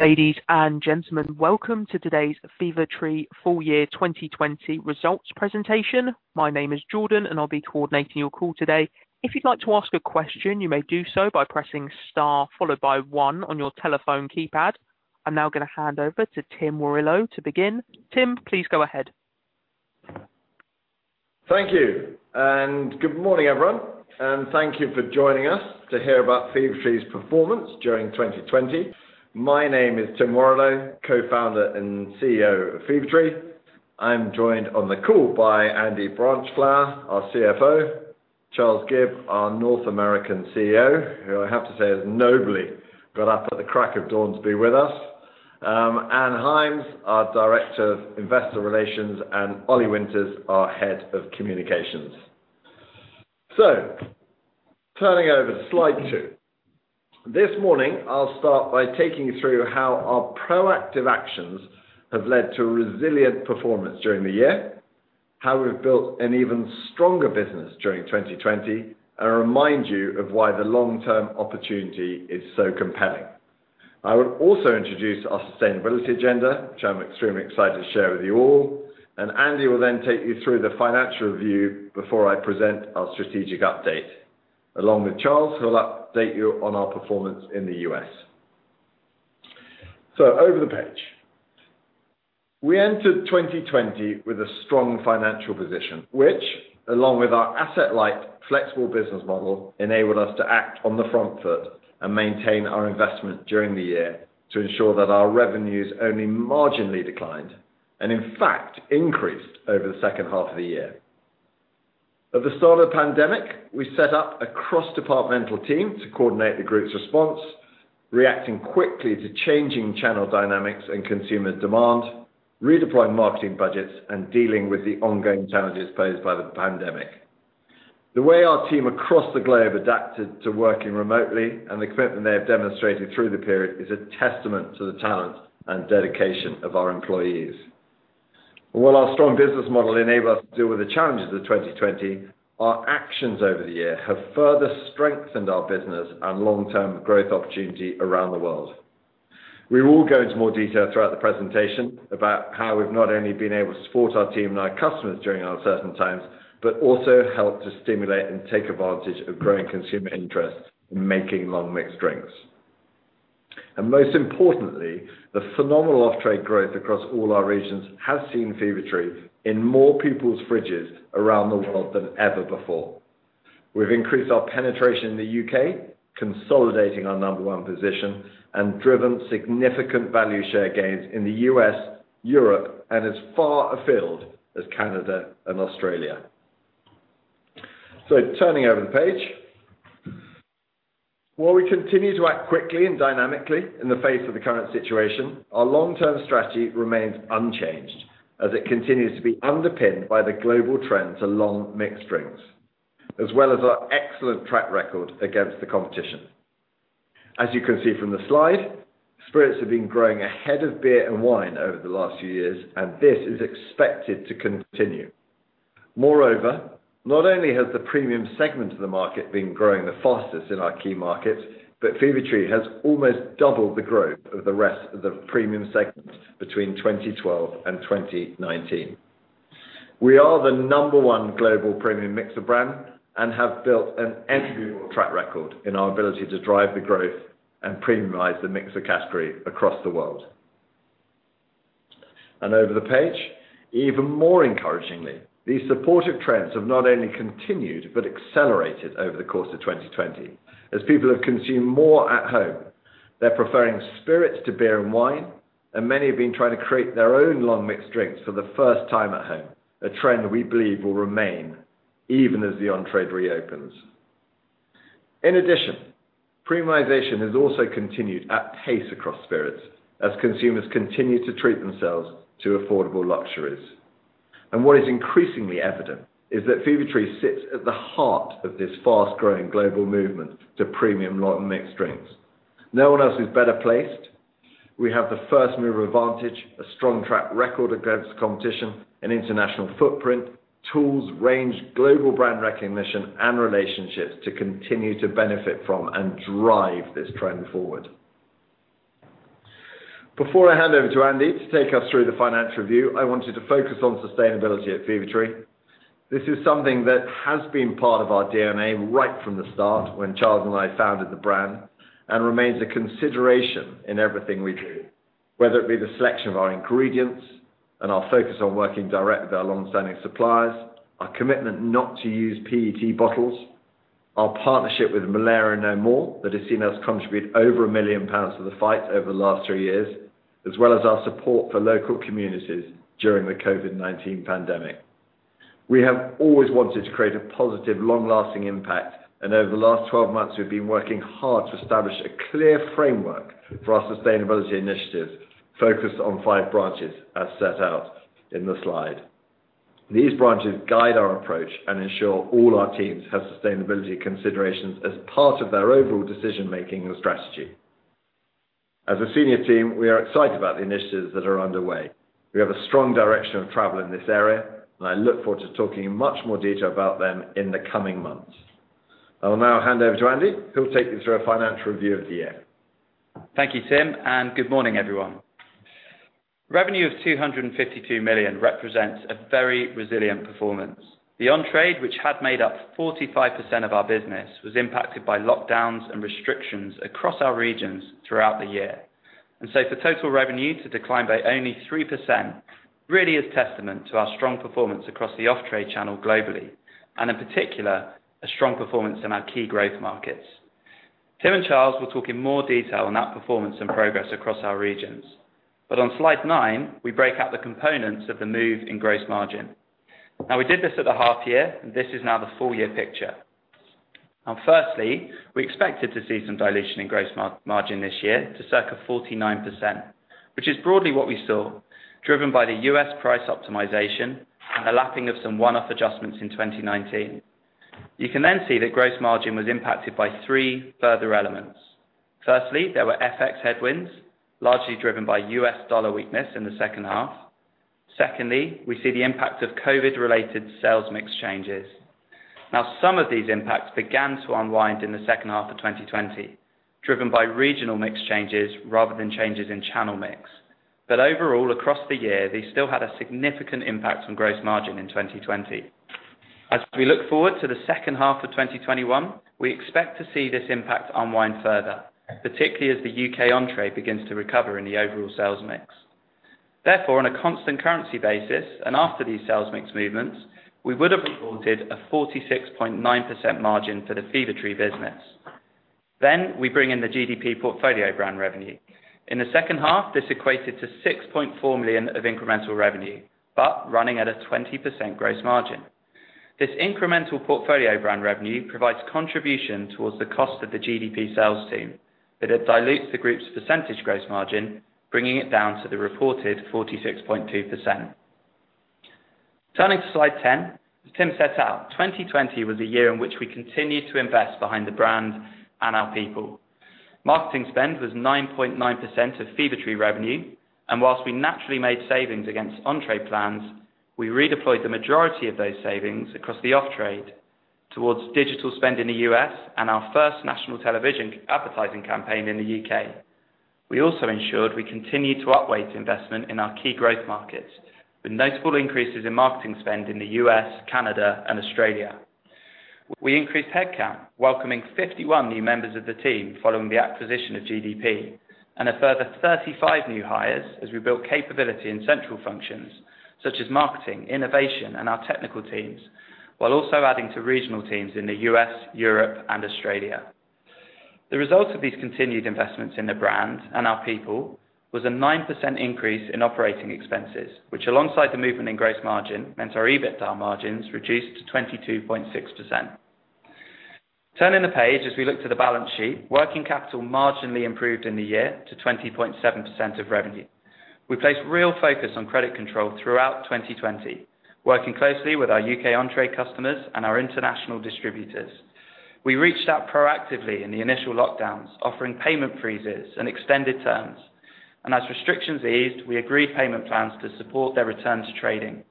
Ladies and gentlemen, welcome to today's Fever-Tree Full Year 2020 Results presentation. My name is Jordan, and I'll be coordinating your call today. If you'd like to ask a question, you may do so by pressing star followed by one on your telephone keypad. I'm now going to hand over to Tim Warrillow to begin. Tim, please go ahead. Thank you. Good morning, everyone, and thank you for joining us to hear about Fever-Tree's performance during 2020. My name is Tim Warrillow, Co-Founder and CEO of Fever-Tree. I'm joined on the call by Andy Branchflower, our CFO, Charles Gibb, our North American CEO, who I have to say has nobly got up at the crack of dawn to be with us, Ann Hyams, our Director of Investor Relations, and Ollie Winters, our Head of Communications. Turning over to slide two. This morning, I'll start by taking you through how our proactive actions have led to resilient performance during the year, how we've built an even stronger business during 2020, and remind you of why the long-term opportunity is so compelling. I will also introduce our sustainability agenda, which I'm extremely excited to share with you all. Andy will then take you through the financial review before I present our strategic update, along with Charles, who will update you on our performance in the U.S. Over the page. We entered 2020 with a strong financial position, which along with our asset light, flexible business model, enabled us to act on the front foot and maintain our investment during the year to ensure that our revenues only marginally declined, and in fact, increased over the second half of the year. At the start of the pandemic, we set up a cross-departmental team to coordinate the group's response, reacting quickly to changing channel dynamics and consumer demand, redeploying marketing budgets, and dealing with the ongoing challenges posed by the pandemic. The way our team across the globe adapted to working remotely and the commitment they have demonstrated through the period is a testament to the talent and dedication of our employees. While our strong business model enabled us to deal with the challenges of 2020, our actions over the year have further strengthened our business and long-term growth opportunity around the world. We will go into more detail throughout the presentation about how we've not only been able to support our team and our customers during uncertain times, but also helped to stimulate and take advantage of growing consumer interest in making long mixed drinks. Most importantly, the phenomenal off-trade growth across all our regions has seen Fever-Tree in more people's fridges around the world than ever before. We've increased our penetration in the U.K., consolidating our number one position and driven significant value share gains in the U.S., Europe, and as far afield as Canada and Australia. Turning over the page. While we continue to act quickly and dynamically in the face of the current situation, our long-term strategy remains unchanged as it continues to be underpinned by the global trend to long mixed drinks, as well as our excellent track record against the competition. As you can see from the slide, spirits have been growing ahead of beer and wine over the last few years, and this is expected to continue. Moreover, not only has the premium segment of the market been growing the fastest in our key markets, but Fever-Tree has almost doubled the growth of the rest of the premium segment between 2012 and 2019. We are the number one global premium mixer brand and have built an enviable track record in our ability to drive the growth and premiumize the mixer category across the world. Over the page. Even more encouragingly, these supportive trends have not only continued but accelerated over the course of 2020. As people have consumed more at home, they're preferring spirits to beer and wine, and many have been trying to create their own long mixed drinks for the first time at home, a trend we believe will remain even as the on-trade reopens. In addition, premiumization has also continued at pace across spirits as consumers continue to treat themselves to affordable luxuries. What is increasingly evident is that Fever-Tree sits at the heart of this fast-growing global movement to premium long mixed drinks. No one else is better placed. We have the first-mover advantage, a strong track record against the competition, an international footprint, tools, range, global brand recognition, and relationships to continue to benefit from and drive this trend forward. Before I hand over to Andy to take us through the financial review, I wanted to focus on sustainability at Fever-Tree. This is something that has been part of our DNA right from the start when Charles and I founded the brand and remains a consideration in everything we do, whether it be the selection of our ingredients and our focus on working directly with our longstanding suppliers, our commitment not to use PET bottles, our partnership with Malaria No More that has seen us contribute over 1 million pounds to the fight over the last three years, as well as our support for local communities during the COVID-19 pandemic. We have always wanted to create a positive, long-lasting impact, and over the last 12 months, we've been working hard to establish a clear framework for our sustainability initiatives focused on five branches, as set out in the slide. These branches guide our approach and ensure all our teams have sustainability considerations as part of their overall decision making and strategy. As a senior team, we are excited about the initiatives that are underway. We have a strong direction of travel in this area, and I look forward to talking in much more detail about them in the coming months. I will now hand over to Andy, who will take you through a financial review of the year. Thank you, Tim, and good morning everyone. Revenue of 252 million represents a very resilient performance. The on-trade, which had made up 45% of our business, was impacted by lockdowns and restrictions across our regions throughout the year. So for total revenue to decline by only 3% really is testament to our strong performance across the off-trade channel globally, and in particular, a strong performance in our key growth markets. Tim and Charles will talk in more detail on that performance and progress across our regions. On slide nine, we break out the components of the move in gross margin. Now, we did this at the half year, and this is now the full year picture. Firstly, we expected to see some dilution in gross margin this year to circa 49%, which is broadly what we saw, driven by the U.S. price optimization and a lapping of some one-off adjustments in 2019. You can then see that gross margin was impacted by three further elements. Firstly, there were FX headwinds, largely driven by U.S. dollar weakness in the second half. Secondly, we see the impact of COVID related sales mix changes. Now, some of these impacts began to unwind in the second half of 2020, driven by regional mix changes rather than changes in channel mix. Overall, across the year, they still had a significant impact on gross margin in 2020. As we look forward to the second half of 2021, we expect to see this impact unwind further, particularly as the U.K. on-trade begins to recover in the overall sales mix. On a constant currency basis, and after these sales mix movements, we would have reported a 46.9% margin for the Fever-Tree business. We bring in the GDP portfolio brand revenue. In the second half, this equated to 6.4 million of incremental revenue, but running at a 20% gross margin. This incremental portfolio brand revenue provides contribution towards the cost of the GDP sales team, but it dilutes the group's percentage gross margin, bringing it down to the reported 46.2%. Turning to slide 10, as Tim set out, 2020 was a year in which we continued to invest behind the brand and our people. Marketing spend was 9.9% of Fever-Tree revenue, and whilst we naturally made savings against on-trade plans, we redeployed the majority of those savings across the off-trade towards digital spend in the U.S. and our first national television advertising campaign in the U.K. We also ensured we continued to upweight investment in our key growth markets, with notable increases in marketing spend in the U.S., Canada and Australia. We increased headcount, welcoming 51 new members of the team following the acquisition of GDP and a further 35 new hires as we built capability in central functions such as marketing, innovation and our technical teams, while also adding to regional teams in the U.S., Europe and Australia. The result of these continued investments in the brand and our people was a 9% increase in operating expenses, which alongside the movement in gross margin, meant our EBITDA margins reduced to 22.6%. Turning the page, as we look to the balance sheet, working capital marginally improved in the year to 20.7% of revenue. We placed real focus on credit control throughout 2020, working closely with our U.K. on-trade customers and our international distributors. We reached out proactively in the initial lockdowns, offering payment freezes and extended terms. As restrictions eased, we agreed payment plans to support their return to trading.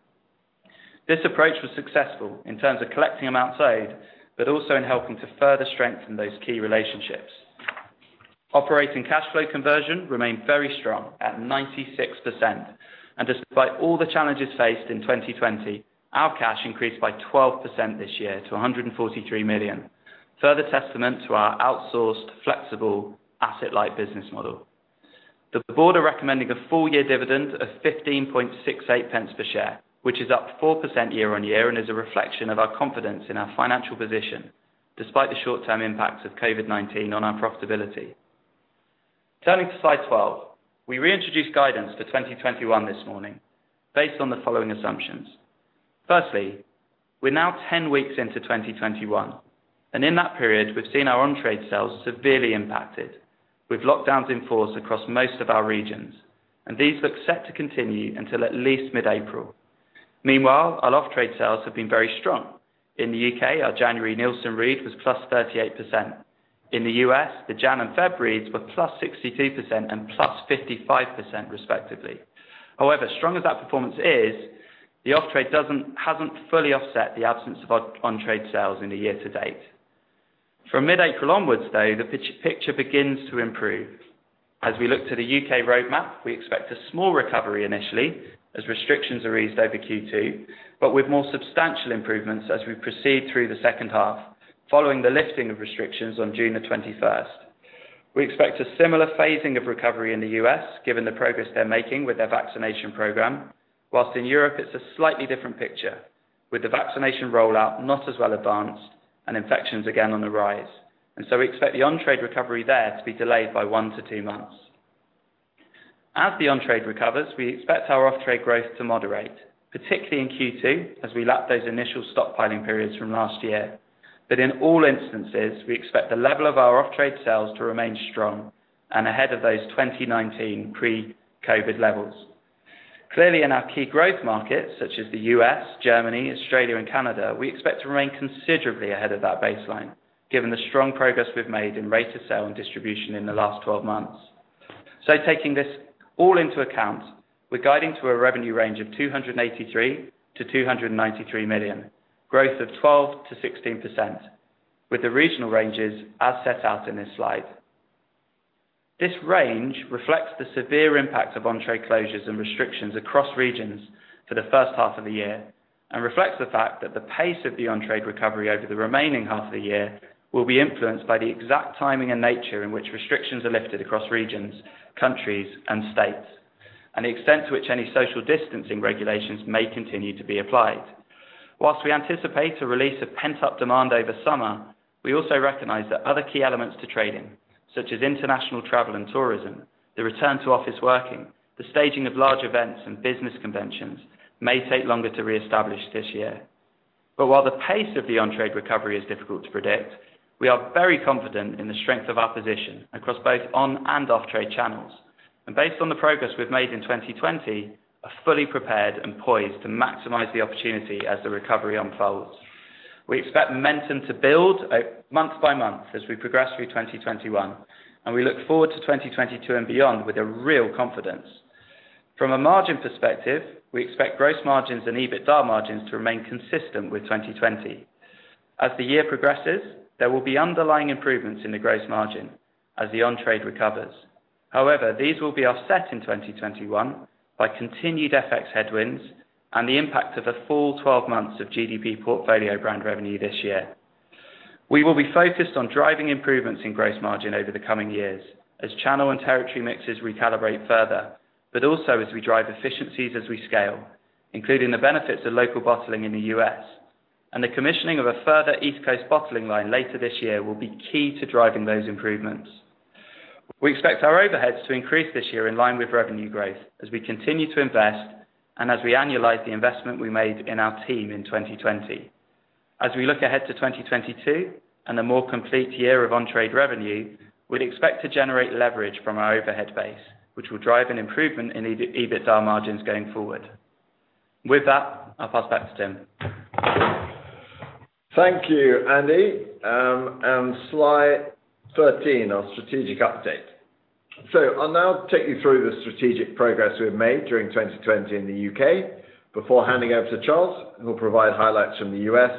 This approach was successful in terms of collecting amounts owed, but also in helping to further strengthen those key relationships. Operating cash flow conversion remained very strong at 96%, and despite all the challenges faced in 2020, our cash increased by 12% this year to 143 million. Further testament to our outsourced flexible asset-light business model. The board are recommending a full year dividend of 0.1568 per share, which is up 4% year-on-year and is a reflection of our confidence in our financial position despite the short-term impacts of COVID-19 on our profitability. Turning to slide 12, we reintroduced guidance for 2021 this morning based on the following assumptions. We're now 10 weeks into 2021, and in that period, we've seen our on-trade sales severely impacted with lockdowns in force across most of our regions, and these look set to continue until at least mid-April. Meanwhile, our off-trade sales have been very strong. In the U.K., our January Nielsen read was plus 38%. In the U.S., the Jan and Feb reads were plus 62% and plus 55% respectively. Strong as that performance is, the off-trade hasn't fully offset the absence of on-trade sales in the year to date. From mid-April onwards, though, the picture begins to improve. As we look to the U.K. Roadmap, we expect a small recovery initially as restrictions are eased over Q2, but with more substantial improvements as we proceed through the second half following the lifting of restrictions on June the 21st. We expect a similar phasing of recovery in the U.S. given the progress they're making with their vaccination program. While in Europe it's a slightly different picture with the vaccination rollout not as well advanced and infections again on the rise. We expect the on-trade recovery there to be delayed by one to two months. As the on-trade recovers, we expect our off-trade growth to moderate, particularly in Q2 as we lap those initial stockpiling periods from last year. In all instances, we expect the level of our off-trade sales to remain strong and ahead of those 2019 pre-COVID levels. Clearly in our key growth markets such as the U.S., Germany, Australia, and Canada, we expect to remain considerably ahead of that baseline given the strong progress we've made in rate of sale and distribution in the last 12 months. Taking this all into account, we're guiding to a revenue range of 283 million-293 million, growth of 12%-16%, with the regional ranges as set out in this slide. This range reflects the severe impact of on-trade closures and restrictions across regions for the first half of the year and reflects the fact that the pace of the on-trade recovery over the remaining half of the year will be influenced by the exact timing and nature in which restrictions are lifted across regions, countries, and states, and the extent to which any social distancing regulations may continue to be applied. Whilst we anticipate a release of pent-up demand over summer, we also recognize that other key elements to trading, such as international travel and tourism, the return to office working, the staging of large events and business conventions may take longer to reestablish this year. While the pace of the on-trade recovery is difficult to predict, we are very confident in the strength of our position across both on and off-trade channels. Based on the progress we've made in 2020, are fully prepared and poised to maximize the opportunity as the recovery unfolds. We expect momentum to build month by month as we progress through 2021, and we look forward to 2022 and beyond with a real confidence. From a margin perspective, we expect gross margins and EBITDA margins to remain consistent with 2020. As the year progresses, there will be underlying improvements in the gross margin as the on-trade recovers. These will be offset in 2021 by continued FX headwinds and the impact of a full 12 months of GDP portfolio brand revenue this year. We will be focused on driving improvements in gross margin over the coming years as channel and territory mixes recalibrate further, but also as we drive efficiencies as we scale, including the benefits of local bottling in the U.S., and the commissioning of a further East Coast bottling line later this year will be key to driving those improvements. We expect our overheads to increase this year in line with revenue growth as we continue to invest and as we annualize the investment we made in our team in 2020. As we look ahead to 2022 and a more complete year of on-trade revenue, we'd expect to generate leverage from our overhead base, which will drive an improvement in EBITDA margins going forward. With that, I'll pass back to Tim. Thank you, Andy. Slide 13, our strategic update. I'll now take you through the strategic progress we've made during 2020 in the U.K. before handing over to Charles, who will provide highlights from the U.S.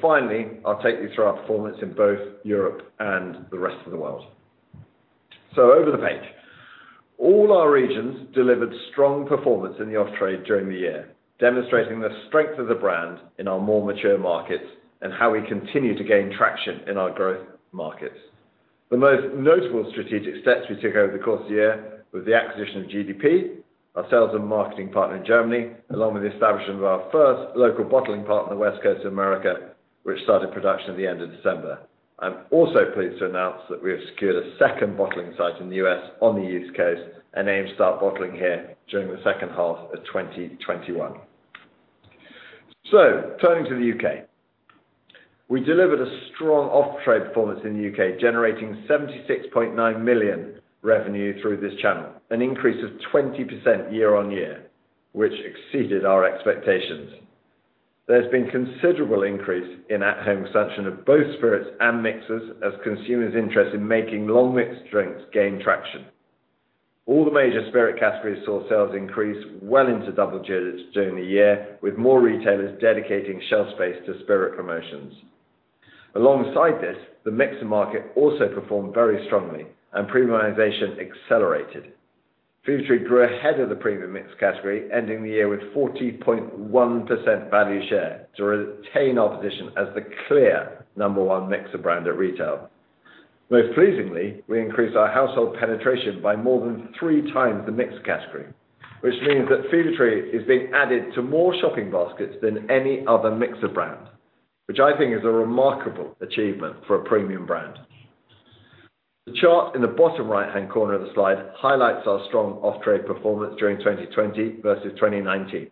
Finally, I'll take you through our performance in both Europe and the rest of the world. Over the page. All our regions delivered strong performance in the off-trade during the year, demonstrating the strength of the Fever-Tree brand in our more mature markets and how we continue to gain traction in our growth markets. The most notable strategic steps we took over the course of the year were the acquisition of GDP, our sales and marketing partner in Germany, along with the establishment of our first local bottling partner in the West Coast of America, which started production at the end of December. I'm also pleased to announce that we have secured a second bottling site in the U.S. on the East Coast, and aim to start bottling here during the second half of 2021. Turning to the U.K. We delivered a strong off-trade performance in the U.K., generating 76.9 million revenue through this channel, an increase of 20% year on year, which exceeded our expectations. There's been considerable increase in at-home consumption of both spirits and mixers as consumers' interest in making long mixed drinks gain traction. All the major spirit categories saw sales increase well into double digits during the year, with more retailers dedicating shelf space to spirit promotions. Alongside this, the mixer market also performed very strongly and premiumization accelerated. Fever-Tree grew ahead of the premium mixed category, ending the year with 40.1% value share to retain our position as the clear number one mixer brand at retail. Most pleasingly, we increased our household penetration by more than three times the mixed category, which means that Fever-Tree is being added to more shopping baskets than any other mixer brand, which I think is a remarkable achievement for a premium brand. The chart in the bottom right-hand corner of the slide highlights our strong off-trade performance during 2020 versus 2019.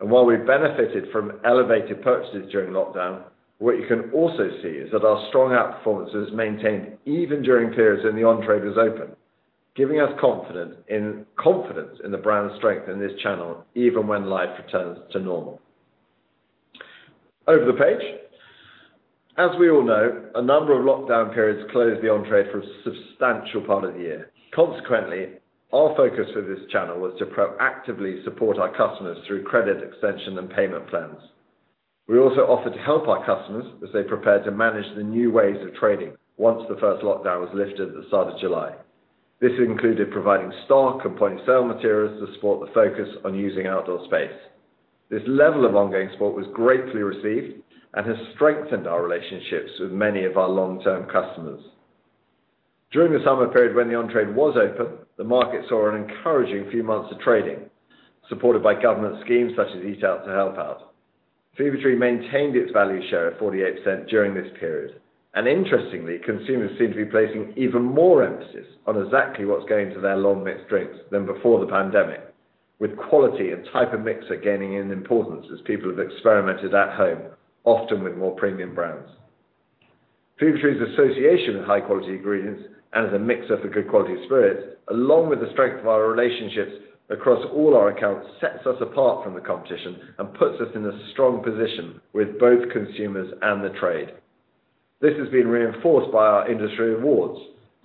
While we benefited from elevated purchases during lockdown, what you can also see is that our strong outperformance is maintained even during periods when the on-trade is open, giving us confidence in the brand's strength in this channel, even when life returns to normal. Over the page. As we all know, a number of lockdown periods closed the on-trade for a substantial part of the year. Consequently, our focus for this channel was to proactively support our customers through credit extension and payment plans. We also offered to help our customers as they prepared to manage the new ways of trading once the first lockdown was lifted at the start of July. This included providing stock and point of sale materials to support the focus on using outdoor space. This level of ongoing support was gratefully received and has strengthened our relationships with many of our long-term customers. During the summer period, when the on-trade was open, the market saw an encouraging few months of trading, supported by government schemes such as Eat Out to Help Out. Fever-Tree maintained its value share of 48% during this period, and interestingly, consumers seem to be placing even more emphasis on exactly what's going into their long mixed drinks than before the pandemic, with quality and type of mixer gaining in importance as people have experimented at home, often with more premium brands. Fever-Tree's association with high quality ingredients and as a mixer for good quality spirits, along with the strength of our relationships across all our accounts, sets us apart from the competition and puts us in a strong position with both consumers and the trade. This has been reinforced by our industry awards,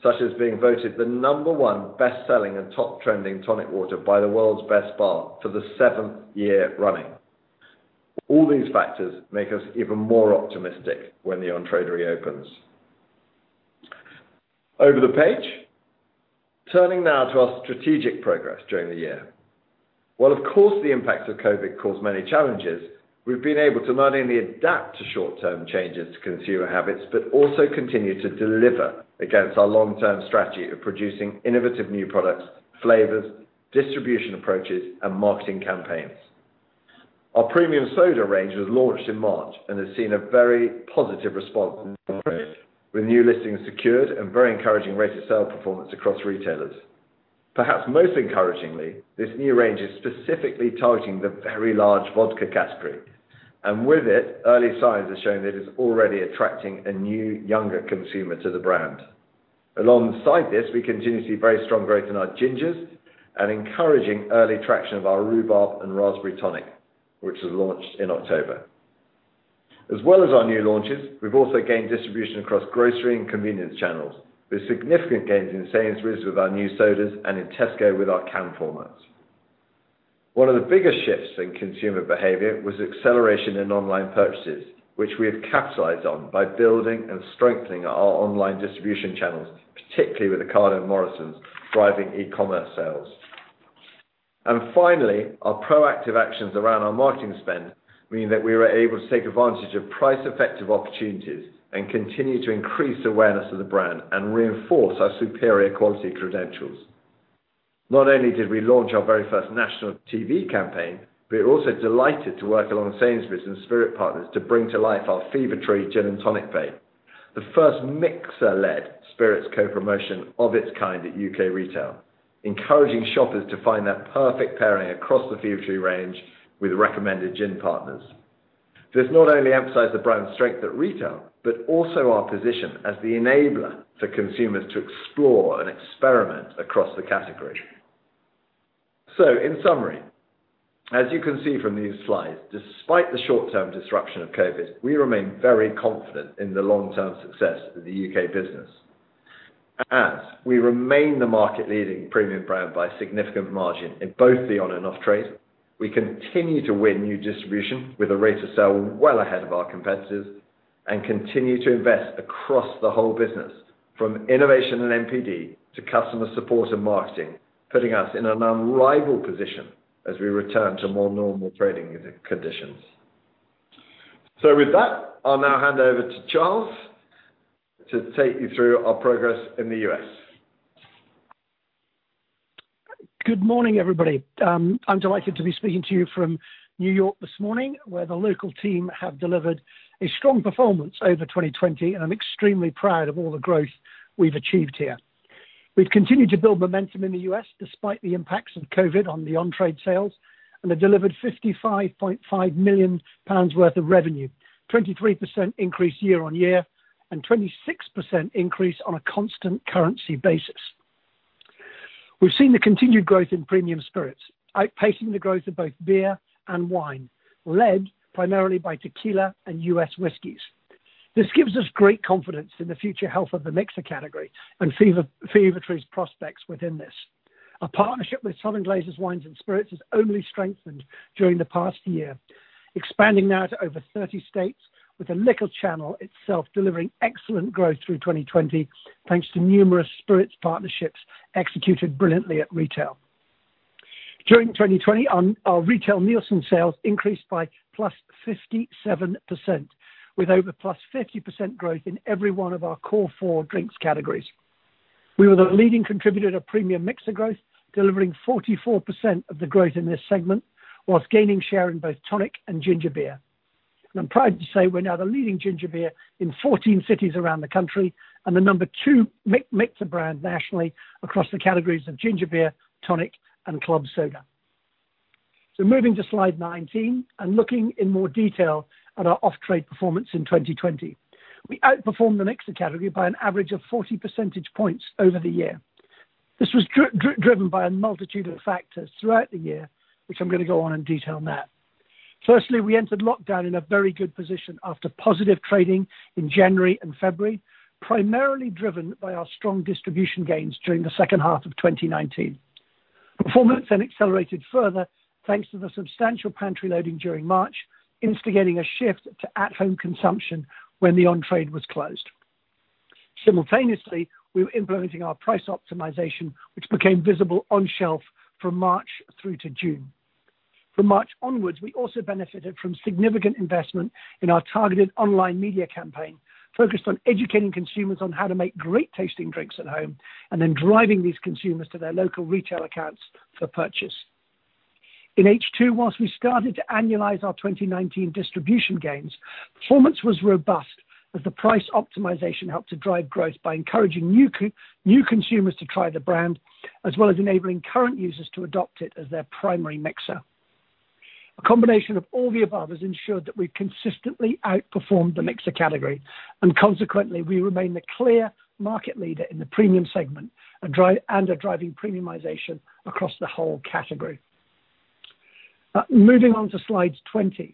such as being voted the number one best-selling and top trending tonic water by the world's best bar for the seventh year running. All these factors make us even more optimistic when the on-trade reopens. Over the page. Turning now to our strategic progress during the year. While of course, the impacts of COVID caused many challenges, we've been able to not only adapt to short-term changes to consumer habits, but also continue to deliver against our long-term strategy of producing innovative new products, flavors, distribution approaches, and marketing campaigns. Our premium soda range was launched in March and has seen a very positive response from consumers, with new listings secured and very encouraging rate of sale performance across retailers. Perhaps most encouragingly, this new range is specifically targeting the very large vodka category, and with it, early signs are showing that it's already attracting a new, younger consumer to the brand. Alongside this, we continue to see very strong growth in our gingers and encouraging early traction of our Rhubarb and Raspberry Tonic, which was launched in October. As well as our new launches, we've also gained distribution across grocery and convenience channels with significant gains in Sainsbury's with our new sodas and in Tesco with our can formats. One of the biggest shifts in consumer behavior was acceleration in online purchases, which we have capitalized on by building and strengthening our online distribution channels, particularly with Ocado and Morrisons, driving e-commerce sales. Finally, our proactive actions around our marketing spend mean that we were able to take advantage of price-effective opportunities and continue to increase awareness of the brand and reinforce our superior quality credentials. Not only did we launch our very first national TV campaign, but we're also delighted to work along Sainsbury's and Spirit partners to bring to life our Fever-Tree Gin & Tonic Bay, the first mixer-led spirits co-promotion of its kind at U.K. retail, encouraging shoppers to find that perfect pairing across the Fever-Tree range with recommended gin partners. This not only emphasized the brand's strength at retail, but also our position as the enabler for consumers to explore and experiment across the category. In summary, as you can see from these slides, despite the short-term disruption of COVID, we remain very confident in the long-term success of the U.K. business. We remain the market leading premium brand by a significant margin in both the on and off-trade, we continue to win new distribution with a rate of sale well ahead of our competitors, and continue to invest across the whole business, from innovation and NPD to customer support and marketing, putting us in an unrivaled position as we return to more normal trading conditions. With that, I'll now hand over to Charles to take you through our progress in the U.S. Good morning, everybody. I'm delighted to be speaking to you from New York this morning where the local team have delivered a strong performance over 2020, and I'm extremely proud of all the growth we've achieved here. We've continued to build momentum in the U.S. despite the impacts of COVID on the on-trade sales, and have delivered £55.5 million worth of revenue, 23% increase year-on-year, and 26% increase on a constant currency basis. We've seen the continued growth in premium spirits, outpacing the growth of both beer and wine, led primarily by tequila and U.S. whiskeys. This gives us great confidence in the future health of the mixer category and Fever-Tree's prospects within this. A partnership with Southern Glazer's Wine and Spirits has only strengthened during the past year, expanding now to over 30 states with the liquor channel itself delivering excellent growth through 2020, thanks to numerous spirits partnerships executed brilliantly at retail. During 2020, our retail Nielsen sales increased by +57%, with over +50% growth in every one of our core four drinks categories. We were the leading contributor to premium mixer growth, delivering 44% of the growth in this segment, whilst gaining share in both tonic and ginger beer. I'm proud to say we're now the leading ginger beer in 14 cities around the country, and the number 2 mixer brand nationally across the categories of ginger beer, tonic, and club soda. Moving to slide 19 and looking in more detail at our off-trade performance in 2020. We outperformed the mixer category by an average of 40 percentage points over the year. This was driven by a multitude of factors throughout the year, which I'm going to go on and detail now. Firstly, we entered lockdown in a very good position after positive trading in January and February, primarily driven by our strong distribution gains during the second half of 2019. Performance then accelerated further thanks to the substantial pantry loading during March, instigating a shift to at home consumption when the on-trade was closed. Simultaneously, we were implementing our price optimization, which became visible on shelf from March through to June. From March onwards, we also benefited from significant investment in our targeted online media campaign, focused on educating consumers on how to make great tasting drinks at home, and then driving these consumers to their local retail accounts for purchase. In H2, whilst we started to annualize our 2019 distribution gains, performance was robust as the price optimization helped to drive growth by encouraging new consumers to try the brand, as well as enabling current users to adopt it as their primary mixer. A combination of all the above has ensured that we've consistently outperformed the mixer category, and consequently, we remain the clear market leader in the premium segment and are driving premiumization across the whole category. Moving on to slides 20.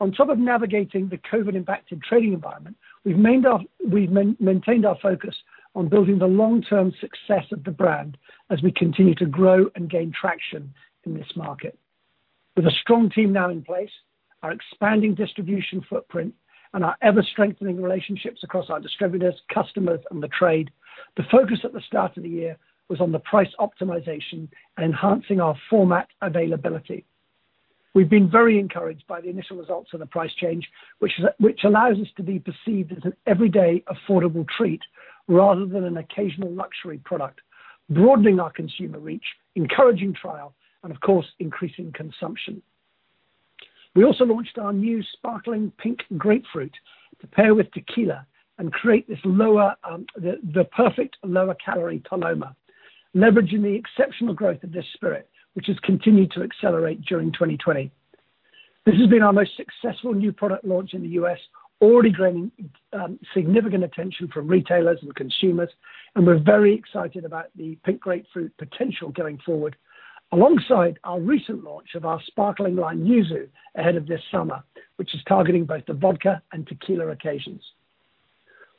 On top of navigating the COVID impacted trading environment, we've maintained our focus on building the long-term success of the brand as we continue to grow and gain traction in this market. With a strong team now in place, our expanding distribution footprint and our ever strengthening relationships across our distributors, customers, and the trade, the focus at the start of the year was on the price optimization and enhancing our format availability. We've been very encouraged by the initial results of the price change, which allows us to be perceived as an everyday affordable treat rather than an occasional luxury product, broadening our consumer reach, encouraging trial, and of course, increasing consumption. We also launched our new Sparkling Pink Grapefruit to pair with tequila and create the perfect lower calorie Paloma, leveraging the exceptional growth of this spirit, which has continued to accelerate during 2020. This has been our most successful new product launch in the U.S., already gaining significant attention from retailers and consumers, and we're very excited about the Pink Grapefruit potential going forward. Alongside our recent launch of our Sparkling Lime & Yuzu ahead of this summer, which is targeting both the vodka and tequila occasions.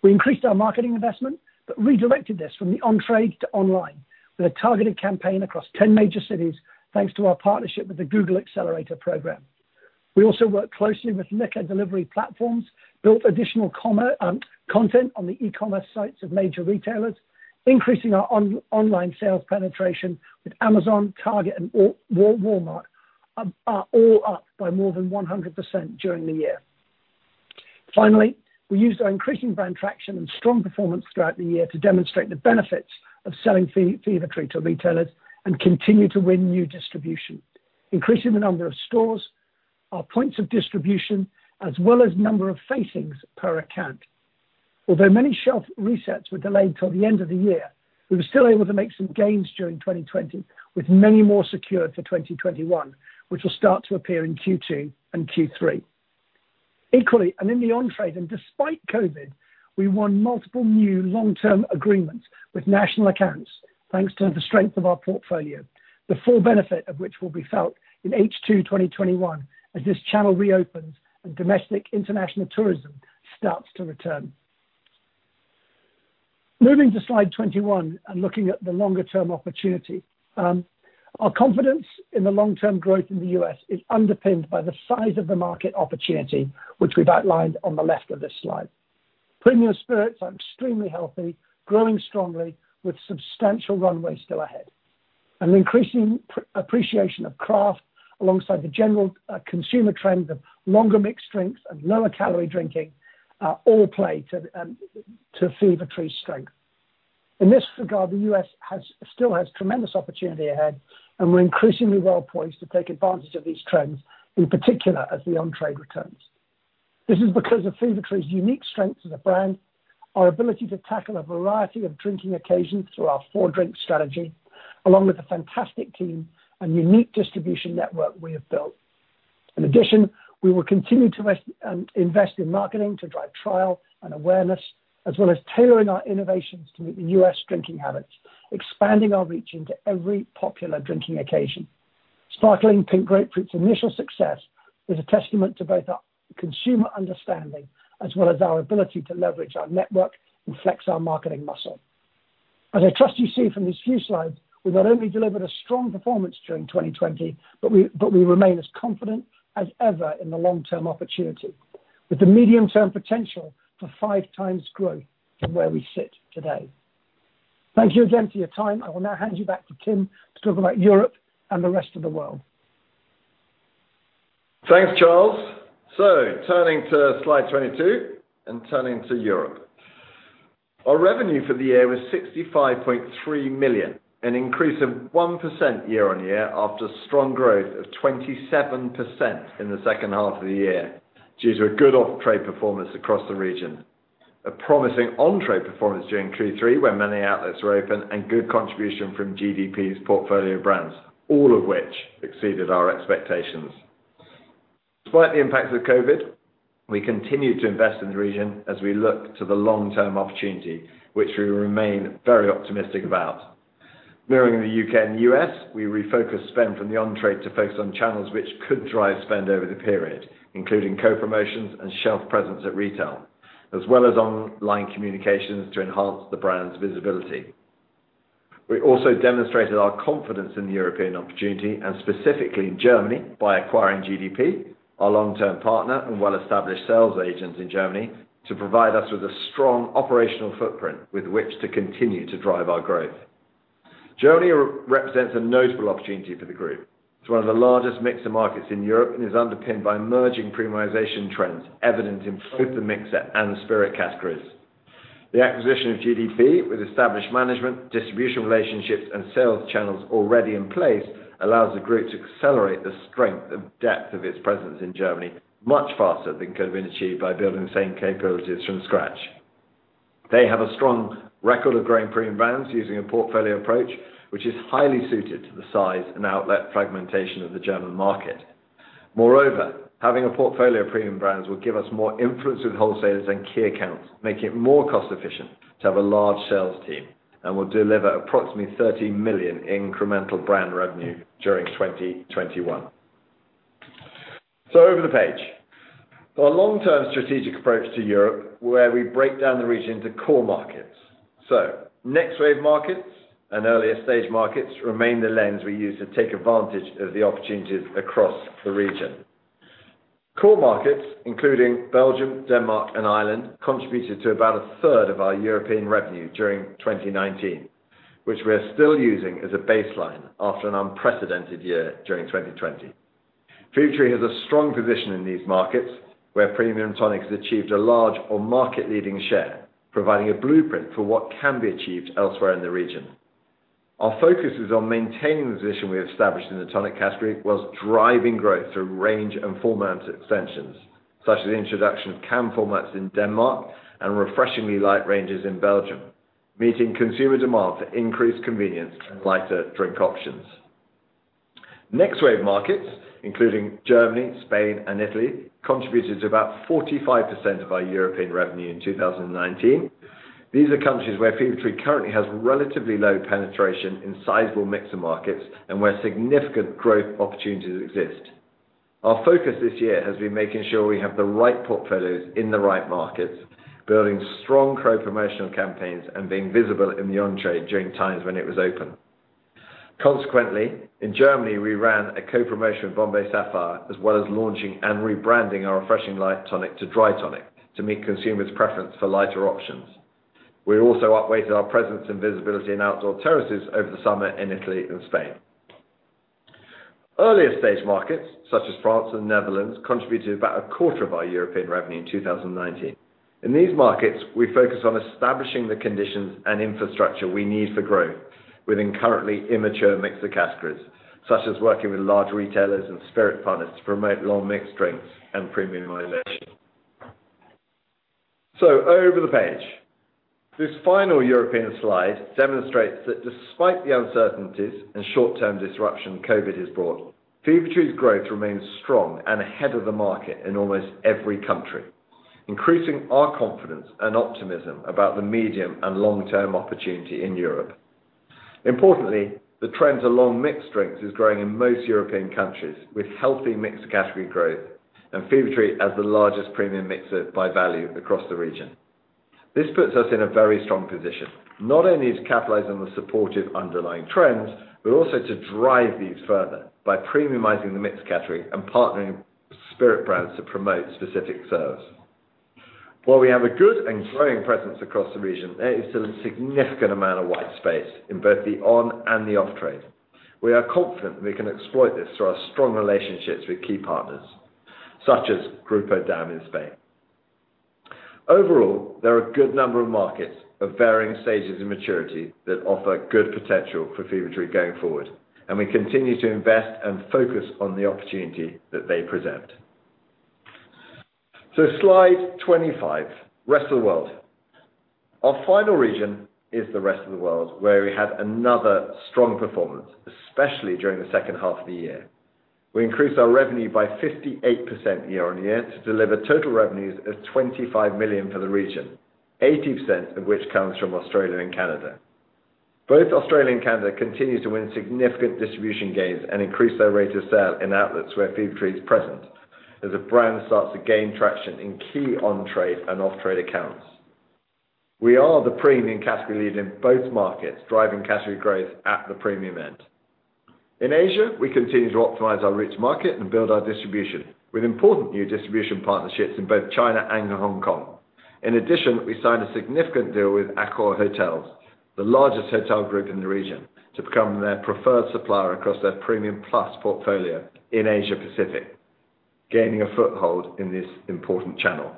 We increased our marketing investment, but redirected this from the on-trade to online with a targeted campaign across 10 major cities, thanks to our partnership with the Google Accelerator program. We also work closely with liquor delivery platforms, built additional content on the e-commerce sites of major retailers, increasing our online sales penetration with Amazon, Target, and Walmart, are all up by more than 100% during the year. Finally, we used our increasing brand traction and strong performance throughout the year to demonstrate the benefits of selling Fever-Tree to retailers and continue to win new distribution, increasing the number of stores, our points of distribution, as well as number of facings per account. Although many shelf resets were delayed till the end of the year, we were still able to make some gains during 2020, with many more secure for 2021, which will start to appear in Q2 and Q3. Equally, in the on-trade and despite COVID, we won multiple new long-term agreements with national accounts, thanks to the strength of our portfolio, the full benefit of which will be felt in H2 2021 as this channel reopens and domestic international tourism starts to return. Moving to slide 21 and looking at the longer term opportunity. Our confidence in the long-term growth in the U.S. is underpinned by the size of the market opportunity, which we've outlined on the left of this slide. Premium spirits are extremely healthy, growing strongly with substantial runway still ahead. Increasing appreciation of craft alongside the general consumer trend of longer mixed drinks and lower calorie drinking, all play to Fever-Tree's strength. In this regard, the U.S. still has tremendous opportunity ahead, and we're increasingly well poised to take advantage of these trends, in particular as the on-trade returns. This is because of Fever-Tree's unique strengths as a brand, our ability to tackle a variety of drinking occasions through our four-drink strategy, along with a fantastic team and unique distribution network we have built. In addition, we will continue to invest in marketing to drive trial and awareness, as well as tailoring our innovations to meet the U.S. drinking habits, expanding our reach into every popular drinking occasion. Sparkling Pink Grapefruit's initial success is a testament to both our consumer understanding as well as our ability to leverage our network and flex our marketing muscle. As I trust you see from these few slides, we not only delivered a strong performance during 2020, but we remain as confident as ever in the long-term opportunity with the medium-term potential for five times growth from where we sit today. Thank you again for your time. I will now hand you back to Tim to talk about Europe and the rest of the world. Thanks, Charles. Turning to slide 22 and turning to Europe. Our revenue for the year was 65.3 million, an increase of 1% year-on-year after strong growth of 27% in the second half of the year, due to a good off-trade performance across the region. A promising on-trade performance during Q3, where many outlets were open and good contribution from GDP's portfolio brands, all of which exceeded our expectations. Despite the impact of COVID, we continued to invest in the region as we look to the long-term opportunity, which we remain very optimistic about. Mirroring the U.K. and U.S., we refocused spend from the on-trade to focus on channels which could drive spend over the period, including co-promotions and shelf presence at retail, as well as online communications to enhance the brand's visibility. We also demonstrated our confidence in the European opportunity and specifically in Germany by acquiring GDP, our long-term partner and well-established sales agents in Germany, to provide us with a strong operational footprint with which to continue to drive our growth. Germany represents a notable opportunity for the group. It is one of the largest mixer markets in Europe and is underpinned by emerging premiumization trends evident in both the mixer and the spirit categories. The acquisition of GDP with established management, distribution relationships and sales channels already in place, allows the group to accelerate the strength and depth of its presence in Germany much faster than could have been achieved by building the same capabilities from scratch. They have a strong record of growing premium brands using a portfolio approach, which is highly suited to the size and outlet fragmentation of the German market. Moreover, having a portfolio of premium brands will give us more influence with wholesalers and key accounts, making it more cost efficient to have a large sales team and will deliver approximately 30 million in incremental brand revenue during 2021. Over the page. Our long-term strategic approach to Europe, where we break down the region into core markets. Next wave markets and earlier stage markets remain the lens we use to take advantage of the opportunities across the region. Core markets, including Belgium, Denmark, and Ireland, contributed to about a third of our European revenue during 2019, which we are still using as a baseline after an unprecedented year during 2020. Fever-Tree has a strong position in these markets, where premium tonic has achieved a large or market-leading share, providing a blueprint for what can be achieved elsewhere in the region. Our focus is on maintaining the position we have established in the tonic category while driving growth through range and format extensions, such as the introduction of can formats in Denmark and Refreshingly Light ranges in Belgium, meeting consumer demand for increased convenience and lighter drink options. Next wave markets, including Germany, Spain, and Italy, contributed to about 45% of our European revenue in 2019. These are countries where Fever-Tree currently has relatively low penetration in sizable mixer markets and where significant growth opportunities exist. Our focus this year has been making sure we have the right portfolios in the right markets, building strong co-promotional campaigns, and being visible in the on-trade during times when it was open. Consequently, in Germany, we ran a co-promotion with Bombay Sapphire, as well as launching and rebranding our Refreshingly Light tonic to dry tonic to meet consumers' preference for lighter options. We also up weighted our presence and visibility in outdoor terraces over the summer in Italy and Spain. Earlier stage markets such as France and the Netherlands contributed about a quarter of our European revenue in 2019. In these markets, we focused on establishing the conditions and infrastructure we need for growth within currently immature mixer categories, such as working with large retailers and spirit partners to promote long mixed drinks and premiumization. Over the page. This final European slide demonstrates that despite the uncertainties and short-term disruption COVID has brought, Fever-Tree's growth remains strong and ahead of the market in almost every country, increasing our confidence and optimism about the medium and long-term opportunity in Europe. Importantly, the trend to long mixed drinks is growing in most European countries with healthy mixer category growth and Fever-Tree as the largest premium mixer by value across the region. This puts us in a very strong position, not only to capitalize on the supportive underlying trends, but also to drive these further by premiumizing the mixer category and partnering with spirit brands to promote specific serves. While we have a good and growing presence across the region, there is still a significant amount of white space in both the on-trade and the off-trade. We are confident we can exploit this through our strong relationships with key partners such as Grupo Damm in Spain. Overall, there are a good number of markets of varying stages of maturity that offer good potential for Fever-Tree going forward, and we continue to invest and focus on the opportunity that they present. Slide 25, rest of the world. Our final region is the rest of the world, where we had another strong performance, especially during the second half of the year. We increased our revenue by 58% year-on-year to deliver total revenues of 25 million for the region, 80% of which comes from Australia and Canada. Both Australia and Canada continue to win significant distribution gains and increase their rate of sale in outlets where Fever-Tree is present as the brand starts to gain traction in key on-trade and off-trade accounts. We are the premium category lead in both markets, driving category growth at the premium end. In Asia, we continue to optimize our route to market and build our distribution with important new distribution partnerships in both China and Hong Kong. In addition, we signed a significant deal with Accor, the largest hotel group in the region, to become their preferred supplier across their premium plus portfolio in Asia-Pacific, gaining a foothold in this important channel.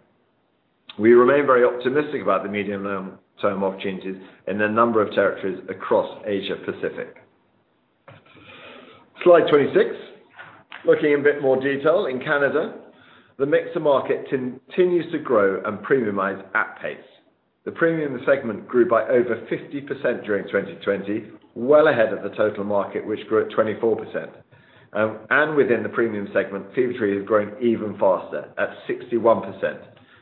We remain very optimistic about the medium term opportunities in a number of territories across Asia-Pacific. Slide 26. Looking in a bit more detail in Canada, the mixer market continues to grow and premiumize at pace. The premium segment grew by over 50% during 2020, well ahead of the total market, which grew at 24%. Within the premium segment, Fever-Tree has grown even faster at 61%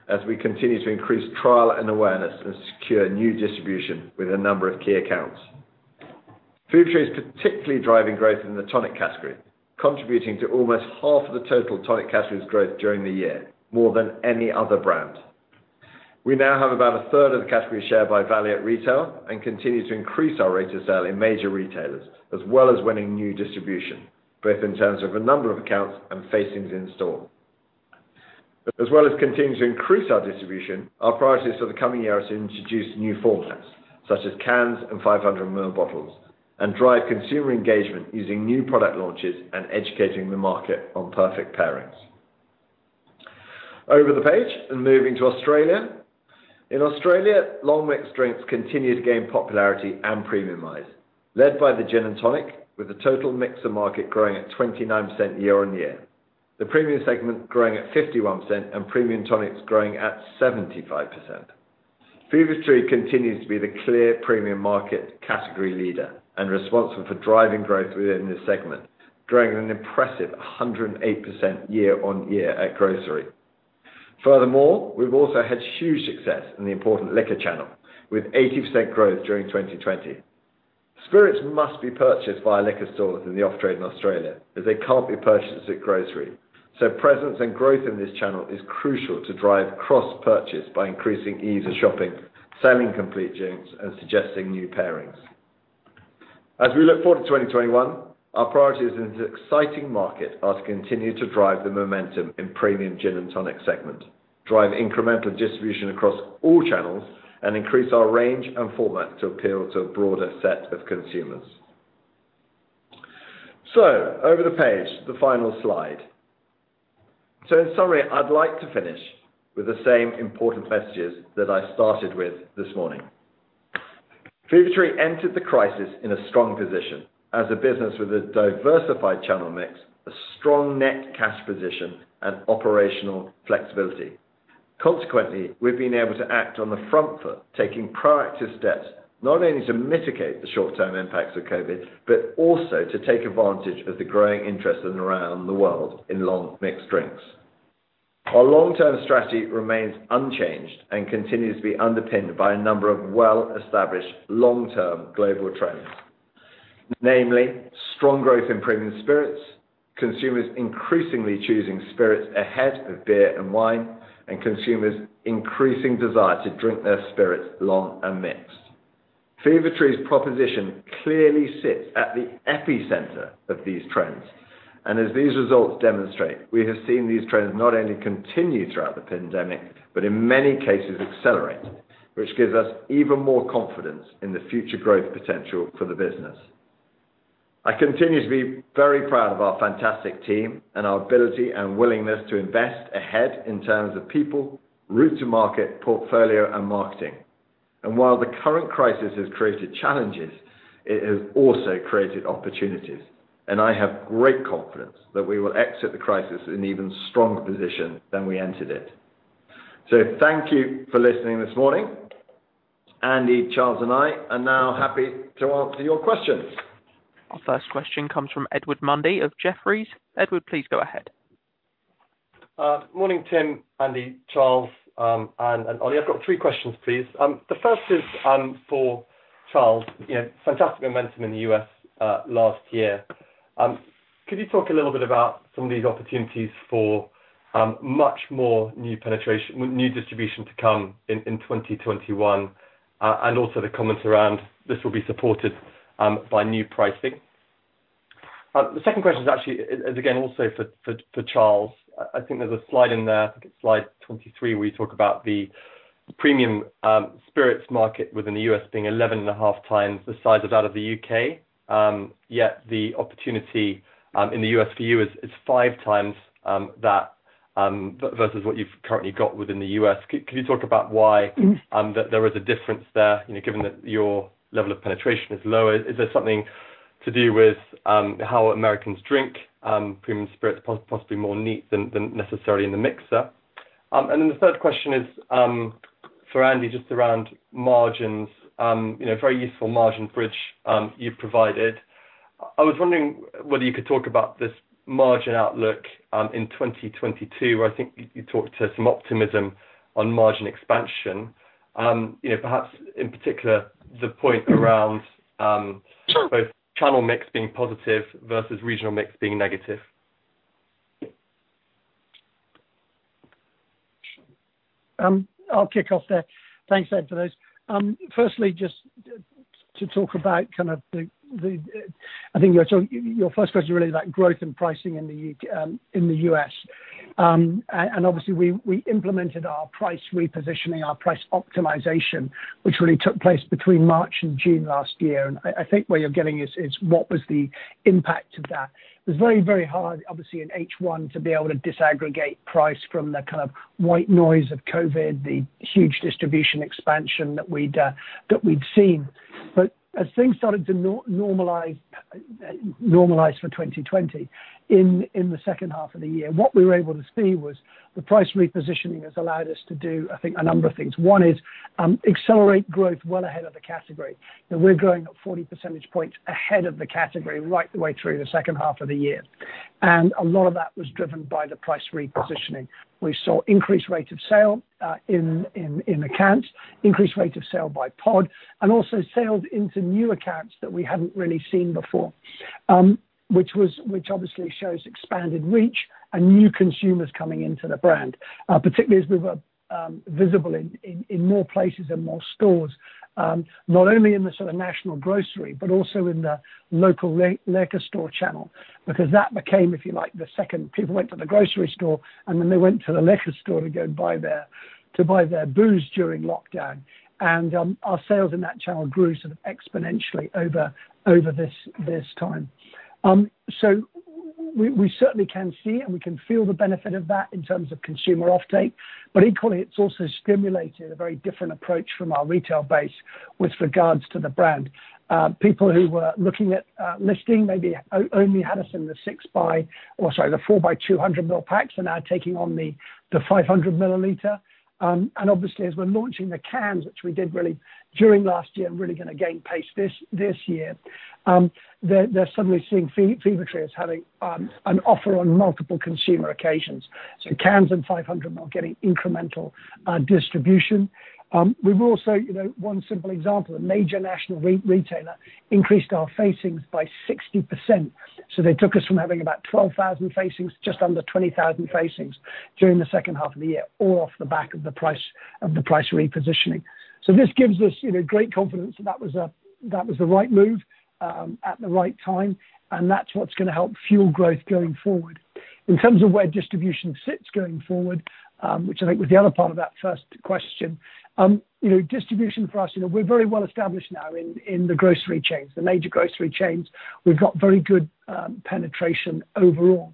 as we continue to increase trial and awareness and secure new distribution with a number of key accounts. Fever-Tree is particularly driving growth in the tonic category, contributing to almost half of the total tonic category's growth during the year, more than any other brand. We now have about 1/3 of the category share by value at retail and continue to increase our rate of sale in major retailers, as well as winning new distribution, both in terms of a number of accounts and facings in store. Continuing to increase our distribution, our priorities for the coming year is to introduce new formats such as cans and 500 ml bottles and drive consumer engagement using new product launches and educating the market on perfect pairings. Over the page and moving to Australia. In Australia, long mixed drinks continue to gain popularity and premiumize, led by the gin and tonic with the total mixer market growing at 29% year-on-year. The premium segment growing at 51% and premium tonics growing at 75%. Fever-Tree continues to be the clear premium market category leader and responsible for driving growth within this segment, growing an impressive 108% year-on-year at grocery. We've also had huge success in the important liquor channel, with 80% growth during 2020. Spirits must be purchased via liquor stores in the off-trade in Australia, as they can't be purchased at grocery. Presence and growth in this channel is crucial to drive cross-purchase by increasing ease of shopping, selling complete gins, and suggesting new pairings. As we look forward to 2021, our priorities in this exciting market are to continue to drive the momentum in premium gin and tonic segment, drive incremental distribution across all channels, and increase our range and format to appeal to a broader set of consumers. Over the page, the final slide. In summary, I'd like to finish with the same important messages that I started with this morning. Fever-Tree entered the crisis in a strong position as a business with a diversified channel mix, a strong net cash position, and operational flexibility. Consequently, we've been able to act on the front foot, taking proactive steps, not only to mitigate the short-term impacts of COVID, but also to take advantage of the growing interest around the world in long mixed drinks. Our long-term strategy remains unchanged and continues to be underpinned by a number of well-established long-term global trends. Namely, strong growth in premium spirits, consumers increasingly choosing spirits ahead of beer and wine, and consumers' increasing desire to drink their spirits long and mixed. Fever-Tree's proposition clearly sits at the epicenter of these trends. As these results demonstrate, we have seen these trends not only continue throughout the pandemic, but in many cases accelerate, which gives us even more confidence in the future growth potential for the business. I continue to be very proud of our fantastic team and our ability and willingness to invest ahead in terms of people, route to market, portfolio, and marketing. While the current crisis has created challenges, it has also created opportunities, and I have great confidence that we will exit the crisis in even stronger position than we entered it. Thank you for listening this morning. Andy, Charles, and I are now happy to answer your questions. Our first question comes from Edward Mundy of Jefferies. Edward, please go ahead. Morning, Tim, Andy, Charles, and Ollie. I've got three questions, please. The first is for Charles. Fantastic momentum in the U.S. last year. Could you talk a little bit about some of these opportunities for much more new distribution to come in 2021? Also the comments around this will be supported by new pricing. The second question is again, also for Charles. I think there's a slide in there, I think it's slide 23, where you talk about the premium spirits market within the U.S. being 11.5 times the size of that of the U.K. The opportunity in the U.S. for you is 5 times that versus what you've currently got within the U.S. Can you talk about why there is a difference there, given that your level of penetration is lower? Is there something to do with how Americans drink premium spirits, possibly more neat than necessarily in the mixer? The third question is for Andy, just around margins. Very useful margin bridge you've provided. I was wondering whether you could talk about this margin outlook in 2022, where I think you talked to some optimism on margin expansion. Perhaps in particular, the point around both channel mix being positive versus regional mix being negative. I'll kick off there. Thanks, Edward, for those. Firstly, I think your first question really is about growth and pricing in the U.S. Obviously, we implemented our price repositioning, our price optimization, which really took place between March and June last year. I think what you're getting is what was the impact of that. It was very hard, obviously, in H1, to be able to disaggregate price from the white noise of COVID, the huge distribution expansion that we'd seen. As things started to normalize for 2020, in the second half of the year, what we were able to see was the price repositioning has allowed us to do, I think, a number of things. One is accelerate growth well ahead of the category. We're growing at 40 percentage points ahead of the category right the way through the second half of the year. A lot of that was driven by the price repositioning. We saw increased rate of sale in accounts, increased rate of sale by pod, also sales into new accounts that we hadn't really seen before, which obviously shows expanded reach and new consumers coming into the brand, particularly as we were visible in more places and more stores, not only in the national grocery, but also in the local liquor store channel. That became, if you like, the second people went to the grocery store, and then they went to the liquor store to go to buy their booze during lockdown. Our sales in that channel grew exponentially over this time. We certainly can see and we can feel the benefit of that in terms of consumer offtake. Equally, it's also stimulated a very different approach from our retail base. With regards to the brand, people who were looking at listing maybe only had us in the 4X200 mil packs are now taking on the 500 milliliter. Obviously, as we're launching the cans, which we did really during last year and really going to gain pace this year, they're suddenly seeing Fever-Tree as having an offer on multiple consumer occasions. Cans and 500 mil getting incremental distribution. We've also, one simple example, a major national retailer increased our facings by 60%. They took us from having about 12,000 facings to just under 20,000 facings during the second half of the year, all off the back of the price repositioning. This gives us great confidence that that was the right move at the right time, and that's what's going to help fuel growth going forward. In terms of where distribution sits going forward, which I think was the other part of that first question, distribution for us, we're very well established now in the grocery chains, the major grocery chains. We've got very good penetration overall.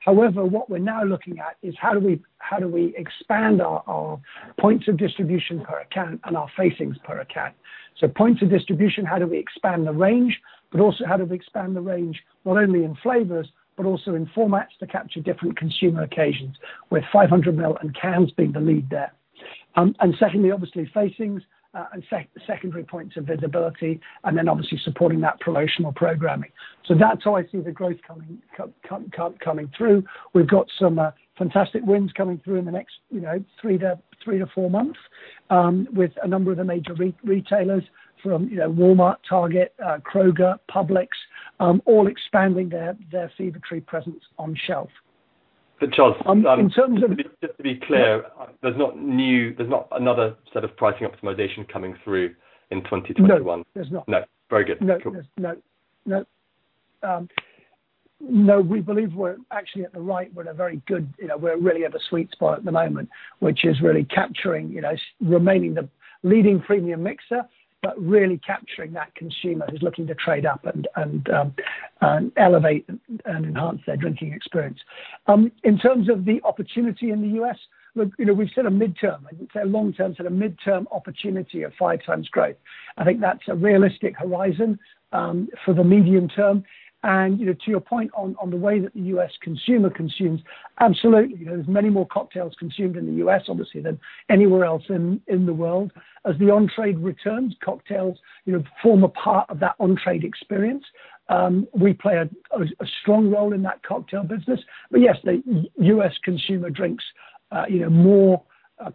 However, what we're now looking at is how do we expand our points of distribution per account and our facings per account. Points of distribution, how do we expand the range, but also how do we expand the range, not only in flavors but also in formats to capture different consumer occasions, with 500 ml and cans being the lead there. Secondly, obviously, facings, and secondary points of visibility, and then obviously supporting that promotional programming. That's how I see the growth coming through. We've got some fantastic wins coming through in the next three to four months, with a number of the major retailers from Walmart, Target, Kroger, Publix, all expanding their Fever-Tree presence on shelf. Charles. In terms of- Just to be clear, there's not another set of pricing optimization coming through in 2021? No, there's not. No. Very good. Cool. No. We believe we're actually at the sweet spot at the moment, which is really capturing, remaining the leading premium mixer, but really capturing that consumer who's looking to trade up and elevate and enhance their drinking experience. In terms of the opportunity in the U.S., look, we've set a midterm, I wouldn't say a long-term, I'd say a midterm opportunity of five times growth. I think that's a realistic horizon, for the medium term. To your point on the way that the U.S. consumer consumes, absolutely, there's many more cocktails consumed in the U.S., obviously, than anywhere else in the world. As the on-trade returns, cocktails form a part of that on-trade experience. We play a strong role in that cocktail business. Yes, the U.S. consumer drinks more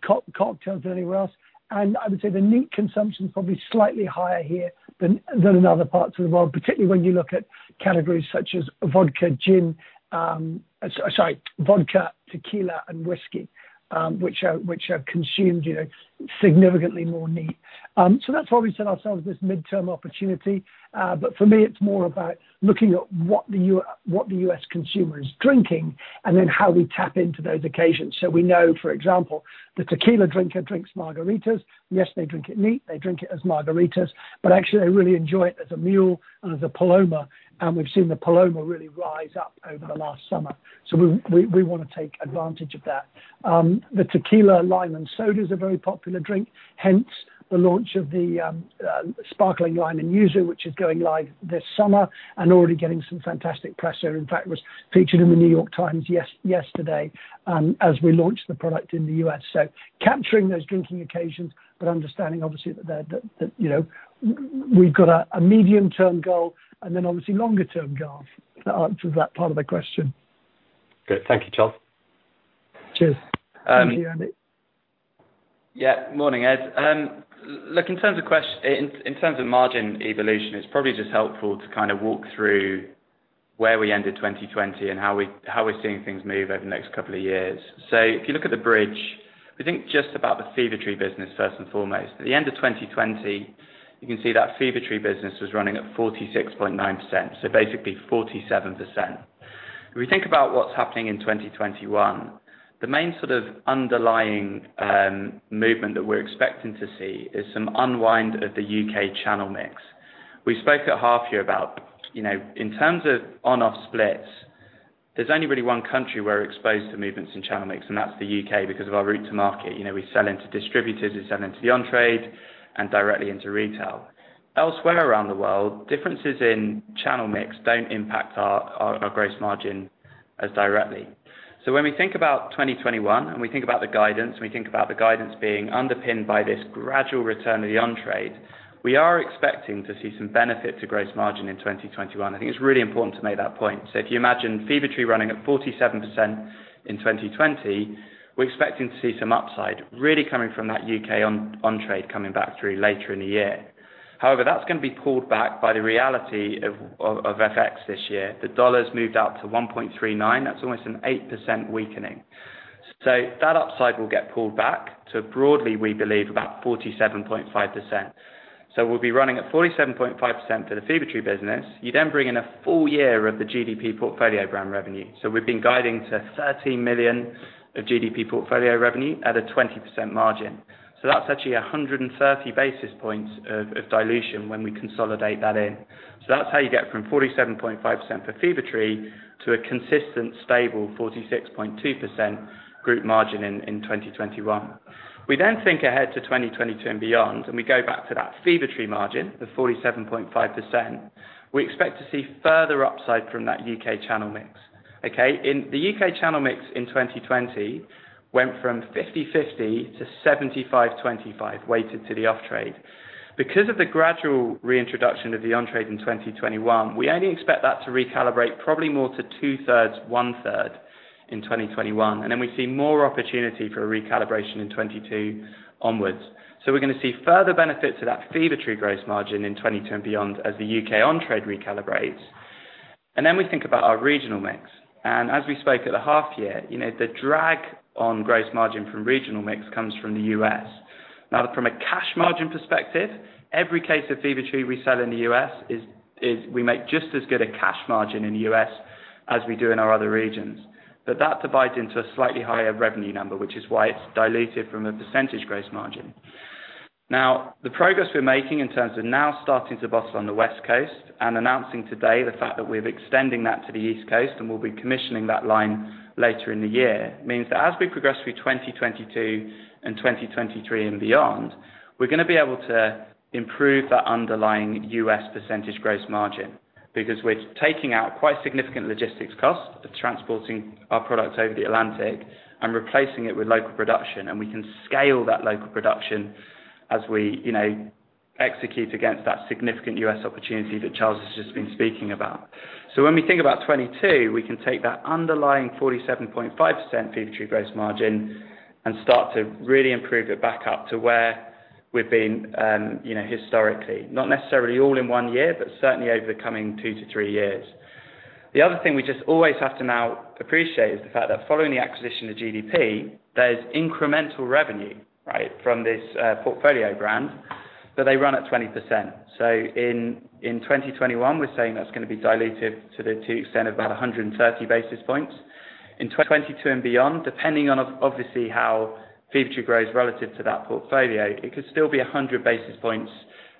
cocktails than anywhere else. I would say the neat consumption is probably slightly higher here than in other parts of the world, particularly when you look at categories such as vodka, tequila, and whiskey, which are consumed significantly more neat. That's why we set ourselves this midterm opportunity. For me, it's more about looking at what the U.S. consumer is drinking, and then how we tap into those occasions. We know, for example, the tequila drinker drinks margaritas. Yes, they drink it neat. They drink it as margaritas, but actually, they really enjoy it as a mule and as a Paloma, and we've seen the Paloma really rise up over the last summer. We want to take advantage of that. The tequila lime and soda is a very popular drink, hence the launch of the Sparkling Lime & Yuzu, which is going live this summer and already getting some fantastic press. In fact, it was featured in The New York Times yesterday as we launched the product in the U.S. Capturing those drinking occasions, but understanding obviously that we've got a medium-term goal and then obviously longer-term goals. If that answers that part of the question. Good. Thank you, Charles. Cheers. Thank you, Andy. Morning, Edward. In terms of margin evolution, it's probably just helpful to kind of walk through where we ended 2020 and how we're seeing things move over the next couple of years. If you look at the bridge, if we think just about the Fever-Tree business first and foremost, at the end of 2020, you can see that Fever-Tree business was running at 46.9%, so basically 47%. If we think about what's happening in 2021, the main sort of underlying movement that we're expecting to see is some unwind of the U.K. channel mix. We spoke at half year about, in terms of on/off splits, there's only really one country where we're exposed to movements in channel mix, and that's the U.K., because of our route to market. We sell into distributors, we sell into the on-trade, and directly into retail. Elsewhere around the world, differences in channel mix don't impact our gross margin as directly. When we think about 2021, and we think about the guidance, and we think about the guidance being underpinned by this gradual return of the on-trade, we are expecting to see some benefit to gross margin in 2021. I think it's really important to make that point. If you imagine Fever-Tree running at 47% in 2020, we're expecting to see some upside really coming from that U.K. on-trade coming back through later in the year. However, that's going to be pulled back by the reality of FX this year. The dollar's moved out to 1.39. That's almost an 8% weakening. That upside will get pulled back to broadly, we believe, about 47.5%. We'll be running at 47.5% for the Fever-Tree business. You bring in a full year of the GDP portfolio brand revenue. We've been guiding to 13 million of GDP portfolio revenue at a 20% margin. That's actually 130 basis points of dilution when we consolidate that in. That's how you get from 47.5% for Fever-Tree to a consistent, stable 46.2% group margin in 2021. We then think ahead to 2022 and beyond, we go back to that Fever-Tree margin of 47.5%. We expect to see further upside from that U.K. channel mix. In the U.K., channel mix in 2020 went from 50/50 to 75/25 weighted to the off-trade. Because of the gradual reintroduction of the on-trade in 2021, we only expect that to recalibrate probably more to two-thirds, one-third in 2021, we see more opportunity for a recalibration in 2022 onwards. We're going to see further benefit to that Fever-Tree gross margin in 2010 beyond as the U.K. on-trade recalibrates. Then we think about our regional mix. As we spoke at the half year, the drag on gross margin from regional mix comes from the U.S. Now, from a cash margin perspective, every case of Fever-Tree we sell in the U.S., we make just as good a cash margin in the U.S. as we do in our other regions. That divides into a slightly higher revenue number, which is why it's diluted from a percentage gross margin. The progress we're making in terms of now starting to bottle on the West Coast and announcing today the fact that we're extending that to the East Coast and we'll be commissioning that line later in the year, means that as we progress through 2022 and 2023 and beyond, we're going to be able to improve that underlying U.S. % gross margin because we're taking out quite significant logistics costs of transporting our products over the Atlantic and replacing it with local production. We can scale that local production as we execute against that significant U.S. opportunity that Charles has just been speaking about. When we think about 2022, we can take that underlying 47.5% Fever-Tree gross margin and start to really improve it back up to where we've been historically. Not necessarily all in one year, but certainly over the coming two to three years. The other thing we just always have to now appreciate is the fact that following the acquisition of GDP, there's incremental revenue, right from this portfolio brand. They run at 20%. In 2021, we're saying that's going to be diluted to the extent of about 130 basis points. In 2022 and beyond, depending on obviously how Fever-Tree grows relative to that portfolio, it could still be 100 basis points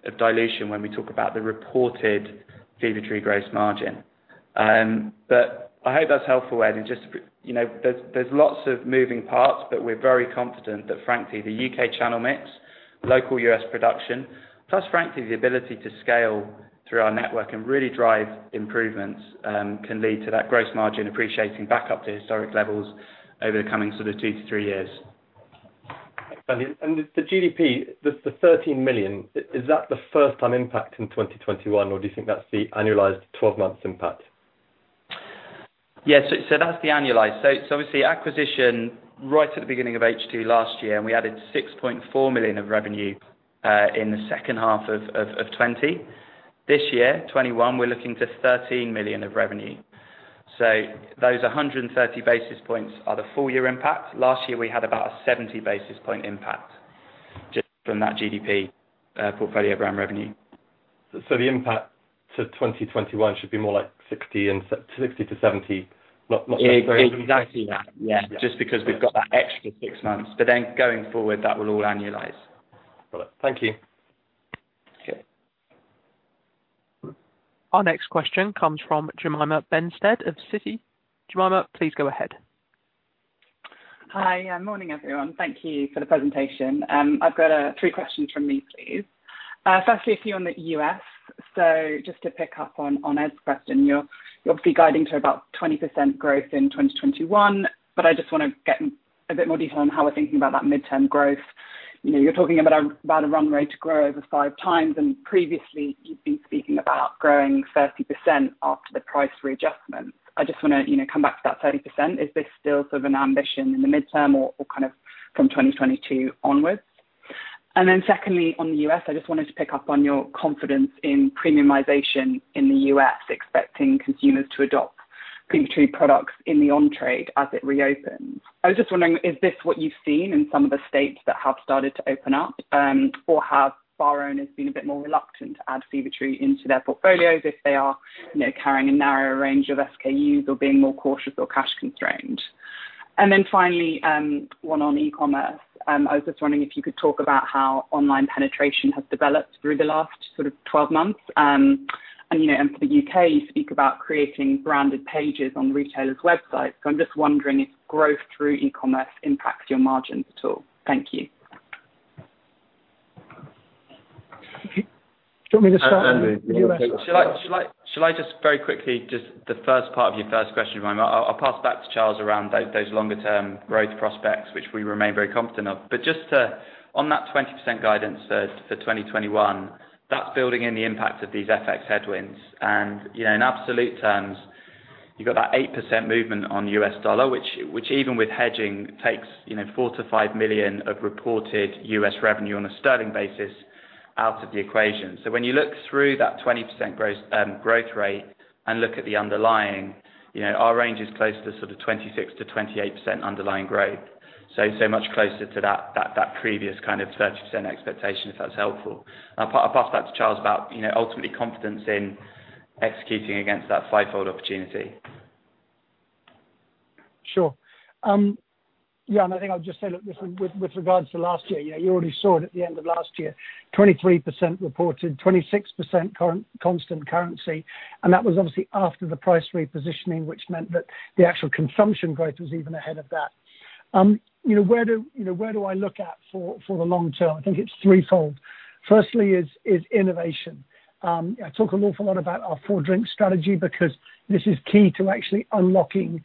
of dilution when we talk about the reported Fever-Tree gross margin. I hope that's helpful, Ed. There's lots of moving parts, but we're very confident that frankly, the U.K. channel mix, local U.S. production, plus frankly, the ability to scale through our network and really drive improvements, can lead to that gross margin appreciating back up to historic levels over the coming two to three years. The GDP, the 13 million, is that the first time impact in 2021, or do you think that's the annualized 12 months impact? Yes. That's the annualized. Obviously acquisition right at the beginning of H2 last year, and we added 6.4 million of revenue in the second half of 2020. This year, 2021, we're looking to 13 million of revenue. Those 130 basis points are the full year impact. Last year, we had about a 70 basis point impact just from that GDP portfolio brand revenue. The impact to 2021 should be more like 60-70? Exactly that. Yeah. Yeah. Just because we've got that extra six months. Going forward, that will all annualize. Got it. Thank you. Okay. Our next question comes from Jemima Benstead of Citi. Jemima, please go ahead. Hi. Morning, everyone. Thank you for the presentation. I've got three questions from me, please. Firstly, a few on the U.S. Just to pick up on Ed's question, you're obviously guiding to about 20% growth in 2021, I just want to get a bit more detail on how we're thinking about that midterm growth. You're talking about a run rate to grow over five times, previously you've been speaking about growing 30% after the price readjustment. I just want to come back to that 30%. Is this still sort of an ambition in the midterm or kind of from 2022 onwards? Secondly, on the U.S., I just wanted to pick up on your confidence in premiumization in the U.S. expecting consumers to adopt Fever-Tree products in the on-trade as it reopens. I was just wondering, is this what you've seen in some of the states that have started to open up? Or have bar owners been a bit more reluctant to add Fever-Tree into their portfolios if they are carrying a narrower range of SKUs or being more cautious or cash constrained? Finally, one on e-commerce. I was just wondering if you could talk about how online penetration has developed through the last 12 months. For the U.K., you speak about creating branded pages on retailers' websites. I'm just wondering if growth through e-commerce impacts your margins at all. Thank you. Do you want me to start? Shall I just very quickly, just the first part of your first question, Jemima. I'll pass back to Charles around those longer term growth prospects, which we remain very confident of. Just on that 20% guidance for 2021, that's building in the impact of these FX headwinds. In absolute terms, you've got that 8% movement on U.S. dollar, which even with hedging takes 4 million-5 million of reported U.S. revenue on a sterling basis out of the equation. When you look through that 20% growth rate and look at the underlying, our range is close to sort of 26%-28% underlying growth. much closer to that previous kind of 30% expectation, if that's helpful. I'll pass back to Charles about ultimately confidence in executing against that fivefold opportunity. Sure. Yeah, I think I'll just say, look, with regards to last year, you already saw it at the end of last year, 23% reported, 26% constant currency, and that was obviously after the price repositioning, which meant that the actual consumption growth was even ahead of that. Where do I look at for the long term? I think it's threefold. Firstly is innovation. I talk an awful lot about our four-drink strategy because this is key to actually unlocking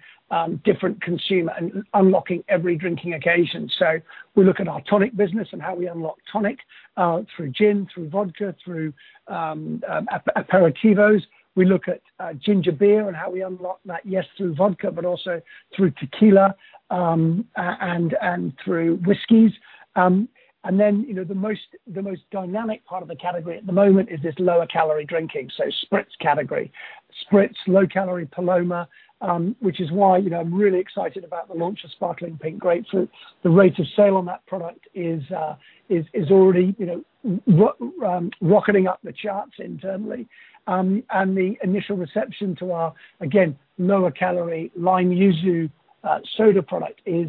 different consumer and unlocking every drinking occasion. We look at our tonic business and how we unlock tonic through gin, through vodka, through aperitivos. We look at ginger beer and how we unlock that, yes, through vodka, but also through tequila and through whiskeys. Then, the most dynamic part of the category at the moment is this lower-calorie drinking, so spritz category. Spritz, low-calorie Paloma, which is why I’m really excited about the launch of Sparkling Pink Grapefruit. The rate of sale on that product is already rocketing up the charts internally. The initial reception to our, again, lower calorie lime yuzu soda product is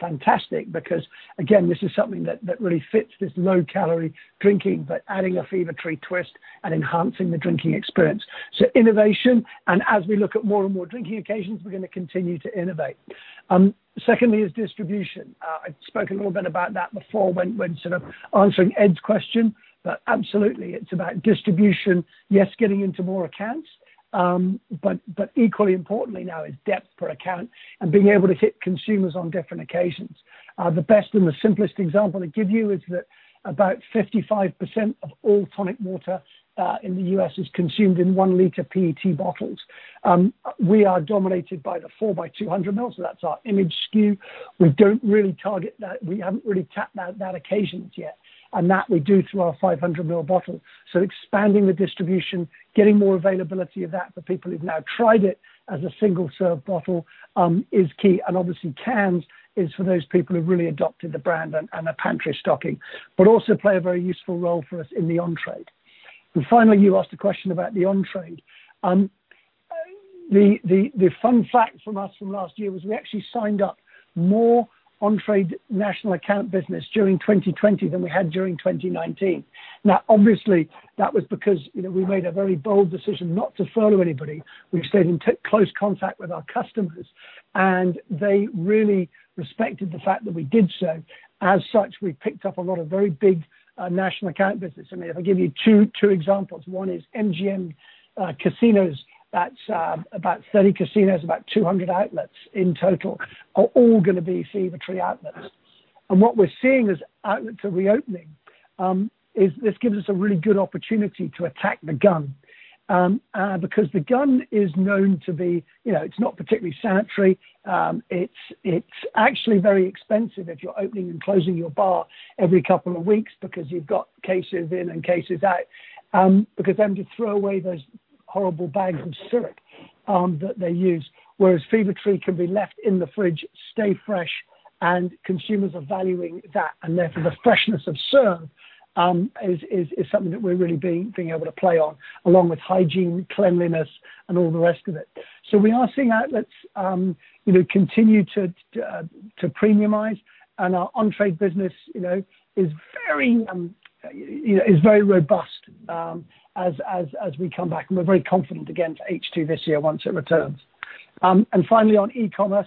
fantastic because, again, this is something that really fits this low-calorie drinking, but adding a Fever-Tree twist and enhancing the drinking experience. Innovation, and as we look at more and more drinking occasions, we’re going to continue to innovate. Secondly is distribution. I’ve spoken a little bit about that before when sort of answering Ed’s question. Absolutely, it’s about distribution, yes, getting into more accounts. Equally importantly now is depth per account and being able to hit consumers on different occasions. The best and the simplest example I can give you is that about 55% of all tonic water in the U.S. is consumed in one liter PET bottles. We are dominated by the four by 200 ml, that's our image SKU. We haven't really tapped that occasion yet, that we do through our 500 ml bottle. Expanding the distribution, getting more availability of that for people who've now tried it as a single-serve bottle is key. Obviously, cans is for those people who've really adopted the brand and are pantry stocking, but also play a very useful role for us in the on-trade. Finally, you asked a question about the on-trade. The fun fact from us from last year was we actually signed up more on-trade national account business during 2020 than we had during 2019. Obviously, that was because we made a very bold decision not to furlough anybody. We've stayed in close contact with our customers. They really respected the fact that we did so. We picked up a lot of very big national account business. If I give you two examples, one is MGM Resorts. That's about 30 casinos, about 200 outlets in total, are all going to be Fever-Tree outlets. What we're seeing as outlets are reopening is this gives us a really good opportunity to attack the gun. The gun is known to be, it's not particularly sanitary. It's actually very expensive if you're opening and closing your bar every couple of weeks because you've got cases in and cases out. To throw away those horrible bags of syrup that they use, whereas Fever-Tree can be left in the fridge, stay fresh, and consumers are valuing that. Therefore, the freshness of serve is something that we're really being able to play on, along with hygiene, cleanliness, and all the rest of it. We are seeing outlets continue to premiumize, and our on-trade business is very robust as we come back, and we're very confident again for H2 this year once it returns. Finally, on e-commerce,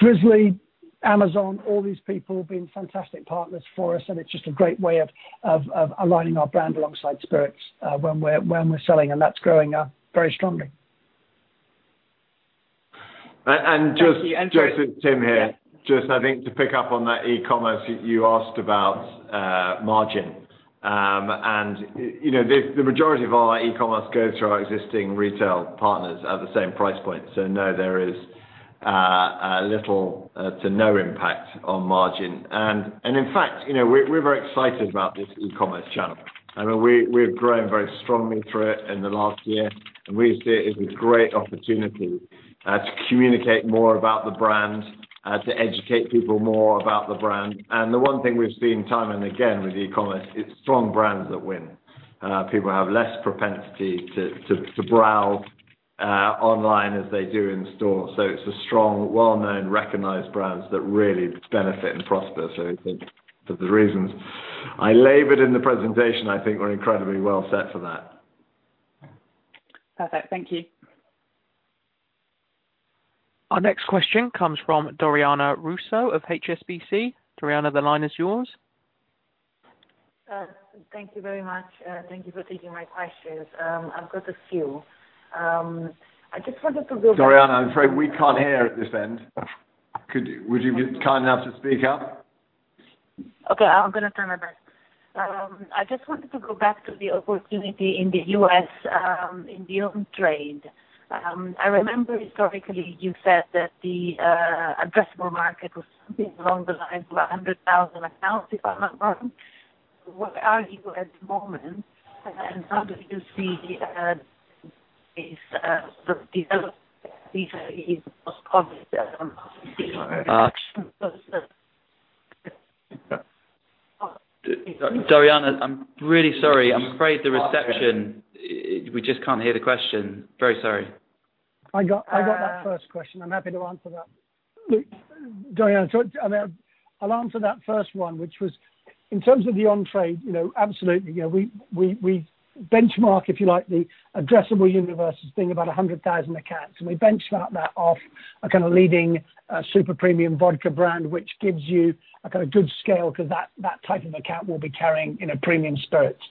Drizly, Amazon, all these people have been fantastic partners for us, and it's just a great way of aligning our brand alongside spirits when we're selling, and that's growing very strongly. And just- Thank you. Tim here. Just I think to pick up on that e-commerce you asked about margin. The majority of our e-commerce goes through our existing retail partners at the same price point. No, there is little to no impact on margin. In fact, we're very excited about this e-commerce channel. We've grown very strongly through it in the last year, and we see it as a great opportunity to communicate more about the brand, to educate people more about the brand. The one thing we've seen time and again with e-commerce, it's strong brands that win. People have less propensity to browse online as they do in store. It's the strong, well-known, recognized brands that really benefit and prosper. For the reasons I labored in the presentation, I think we're incredibly well set for that. Perfect. Thank you. Our next question comes from Doriana Russo of HSBC. Doriana, the line is yours. Thank you very much. Thank you for taking my questions. I've got a few. Doriana, I'm afraid we can't hear at this end. Would you be kind enough to speak up? Okay, I'm going to turn it up. I just wanted to go back to the opportunity in the U.S. in the on-trade. I remember historically you said that the addressable market was something along the lines of 100,000 accounts, if I'm not wrong. Where are you at the moment? How do you see the development Doriana, I'm really sorry. I'm afraid the reception, we just can't hear the question. Very sorry. I got that first question. I'm happy to answer that. Doriana, I'll answer that first one, which was in terms of the on-trade, absolutely. We benchmark, if you like, the addressable universe as being about 100,000 accounts. We benchmark that off a leading super premium vodka brand, which gives you a good scale because that type of account will be carrying premium spirits.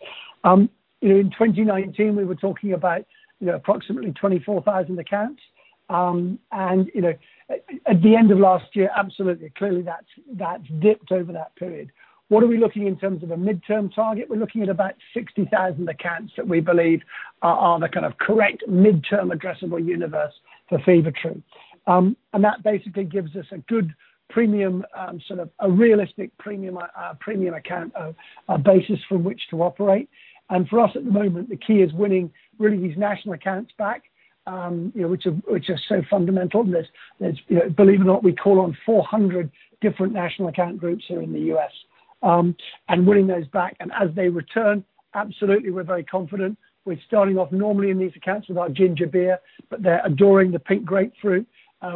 In 2019, we were talking about approximately 24,000 accounts. At the end of last year, absolutely, clearly that's dipped over that period. What are we looking in terms of a midterm target? We're looking at about 60,000 accounts that we believe are the correct midterm addressable universe for Fever-Tree. That basically gives us a good premium, sort of a realistic premium account basis from which to operate. For us at the moment, the key is winning, really these national accounts back, which are so fundamental. Believe it or not, we call on 400 different national account groups here in the U.S. Winning those back, and as they return, absolutely, we're very confident. We're starting off normally in these accounts with our ginger beer, but they're adoring the pink grapefruit.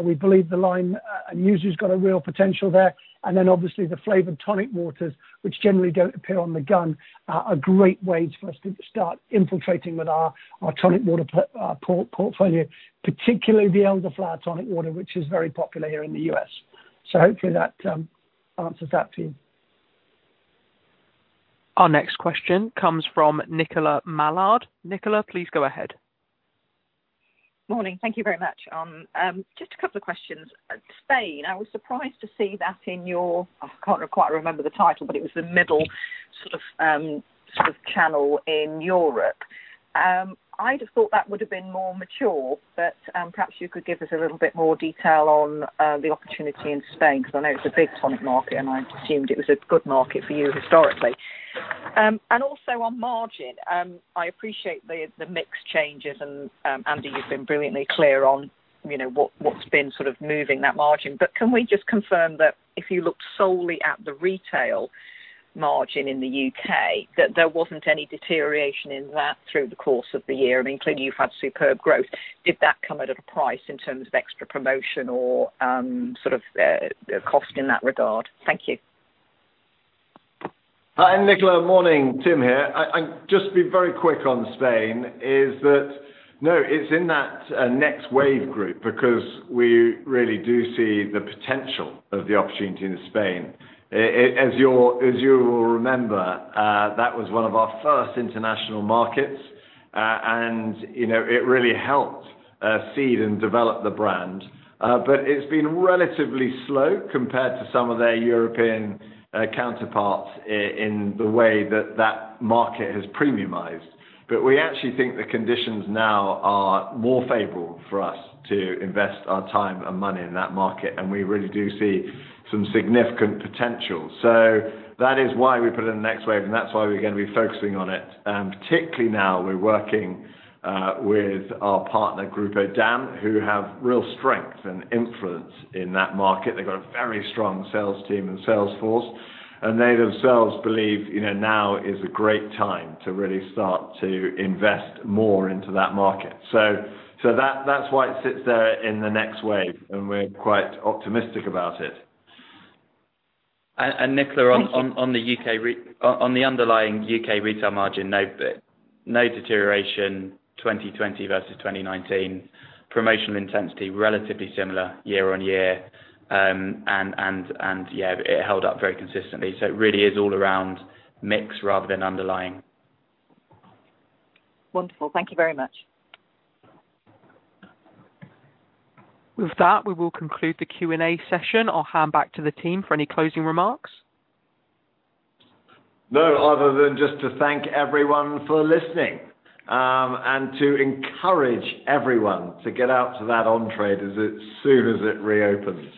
We believe the lime and yuzu has got a real potential there. Then obviously the flavored tonic waters, which generally don't appear on the gun, are great ways for us to start infiltrating with our tonic water portfolio, particularly the Elderflower Tonic Water, which is very popular here in the U.S. Hopefully that answers that for you. Our next question comes from Nicola Mallard. Nicola, please go ahead. Morning. Thank you very much. Just a couple of questions. Spain, I was surprised to see that in your, I can't quite remember the title, but it was the middle sort of channel in Europe. I'd have thought that would have been more mature, but perhaps you could give us a little bit more detail on the opportunity in Spain because I know it's a big tonic market, and I assumed it was a good market for you historically. Also on margin, I appreciate the mix changes and, Andy, you've been brilliantly clear on what's been sort of moving that margin. Can we just confirm that if you looked solely at the retail margin in the U.K., that there wasn't any deterioration in that through the course of the year? I mean, clearly you've had superb growth. Did that come at a price in terms of extra promotion or cost in that regard? Thank you. Hi, Nicola. Morning. Tim here. I'll just be very quick on Spain is that, no, it's in that next wave group because we really do see the potential of the opportunity in Spain. As you will remember, that was one of our first international markets, and it really helped seed and develop the brand. It's been relatively slow compared to some of their European counterparts in the way that that market has premiumized. We actually think the conditions now are more favorable for us to invest our time and money in that market, and we really do see some significant potential. That is why we put it in the next wave, and that's why we're going to be focusing on it. Particularly now, we're working with our partner, Grupo Damm, who have real strength and influence in that market. They've got a very strong sales team and sales force, and they themselves believe now is a great time to really start to invest more into that market. That's why it sits there in the next wave, and we're quite optimistic about it. And Nicola- Thank you. On the underlying U.K. retail margin, no deterioration 2020 versus 2019. Promotional intensity, relatively similar year-over-year. Yeah, it held up very consistently. It really is all around mix rather than underlying. Wonderful. Thank you very much. With that, we will conclude the Q&A session. I will hand back to the team for any closing remarks. No, other than just to thank everyone for listening. To encourage everyone to get out to that on-trade as soon as it reopens.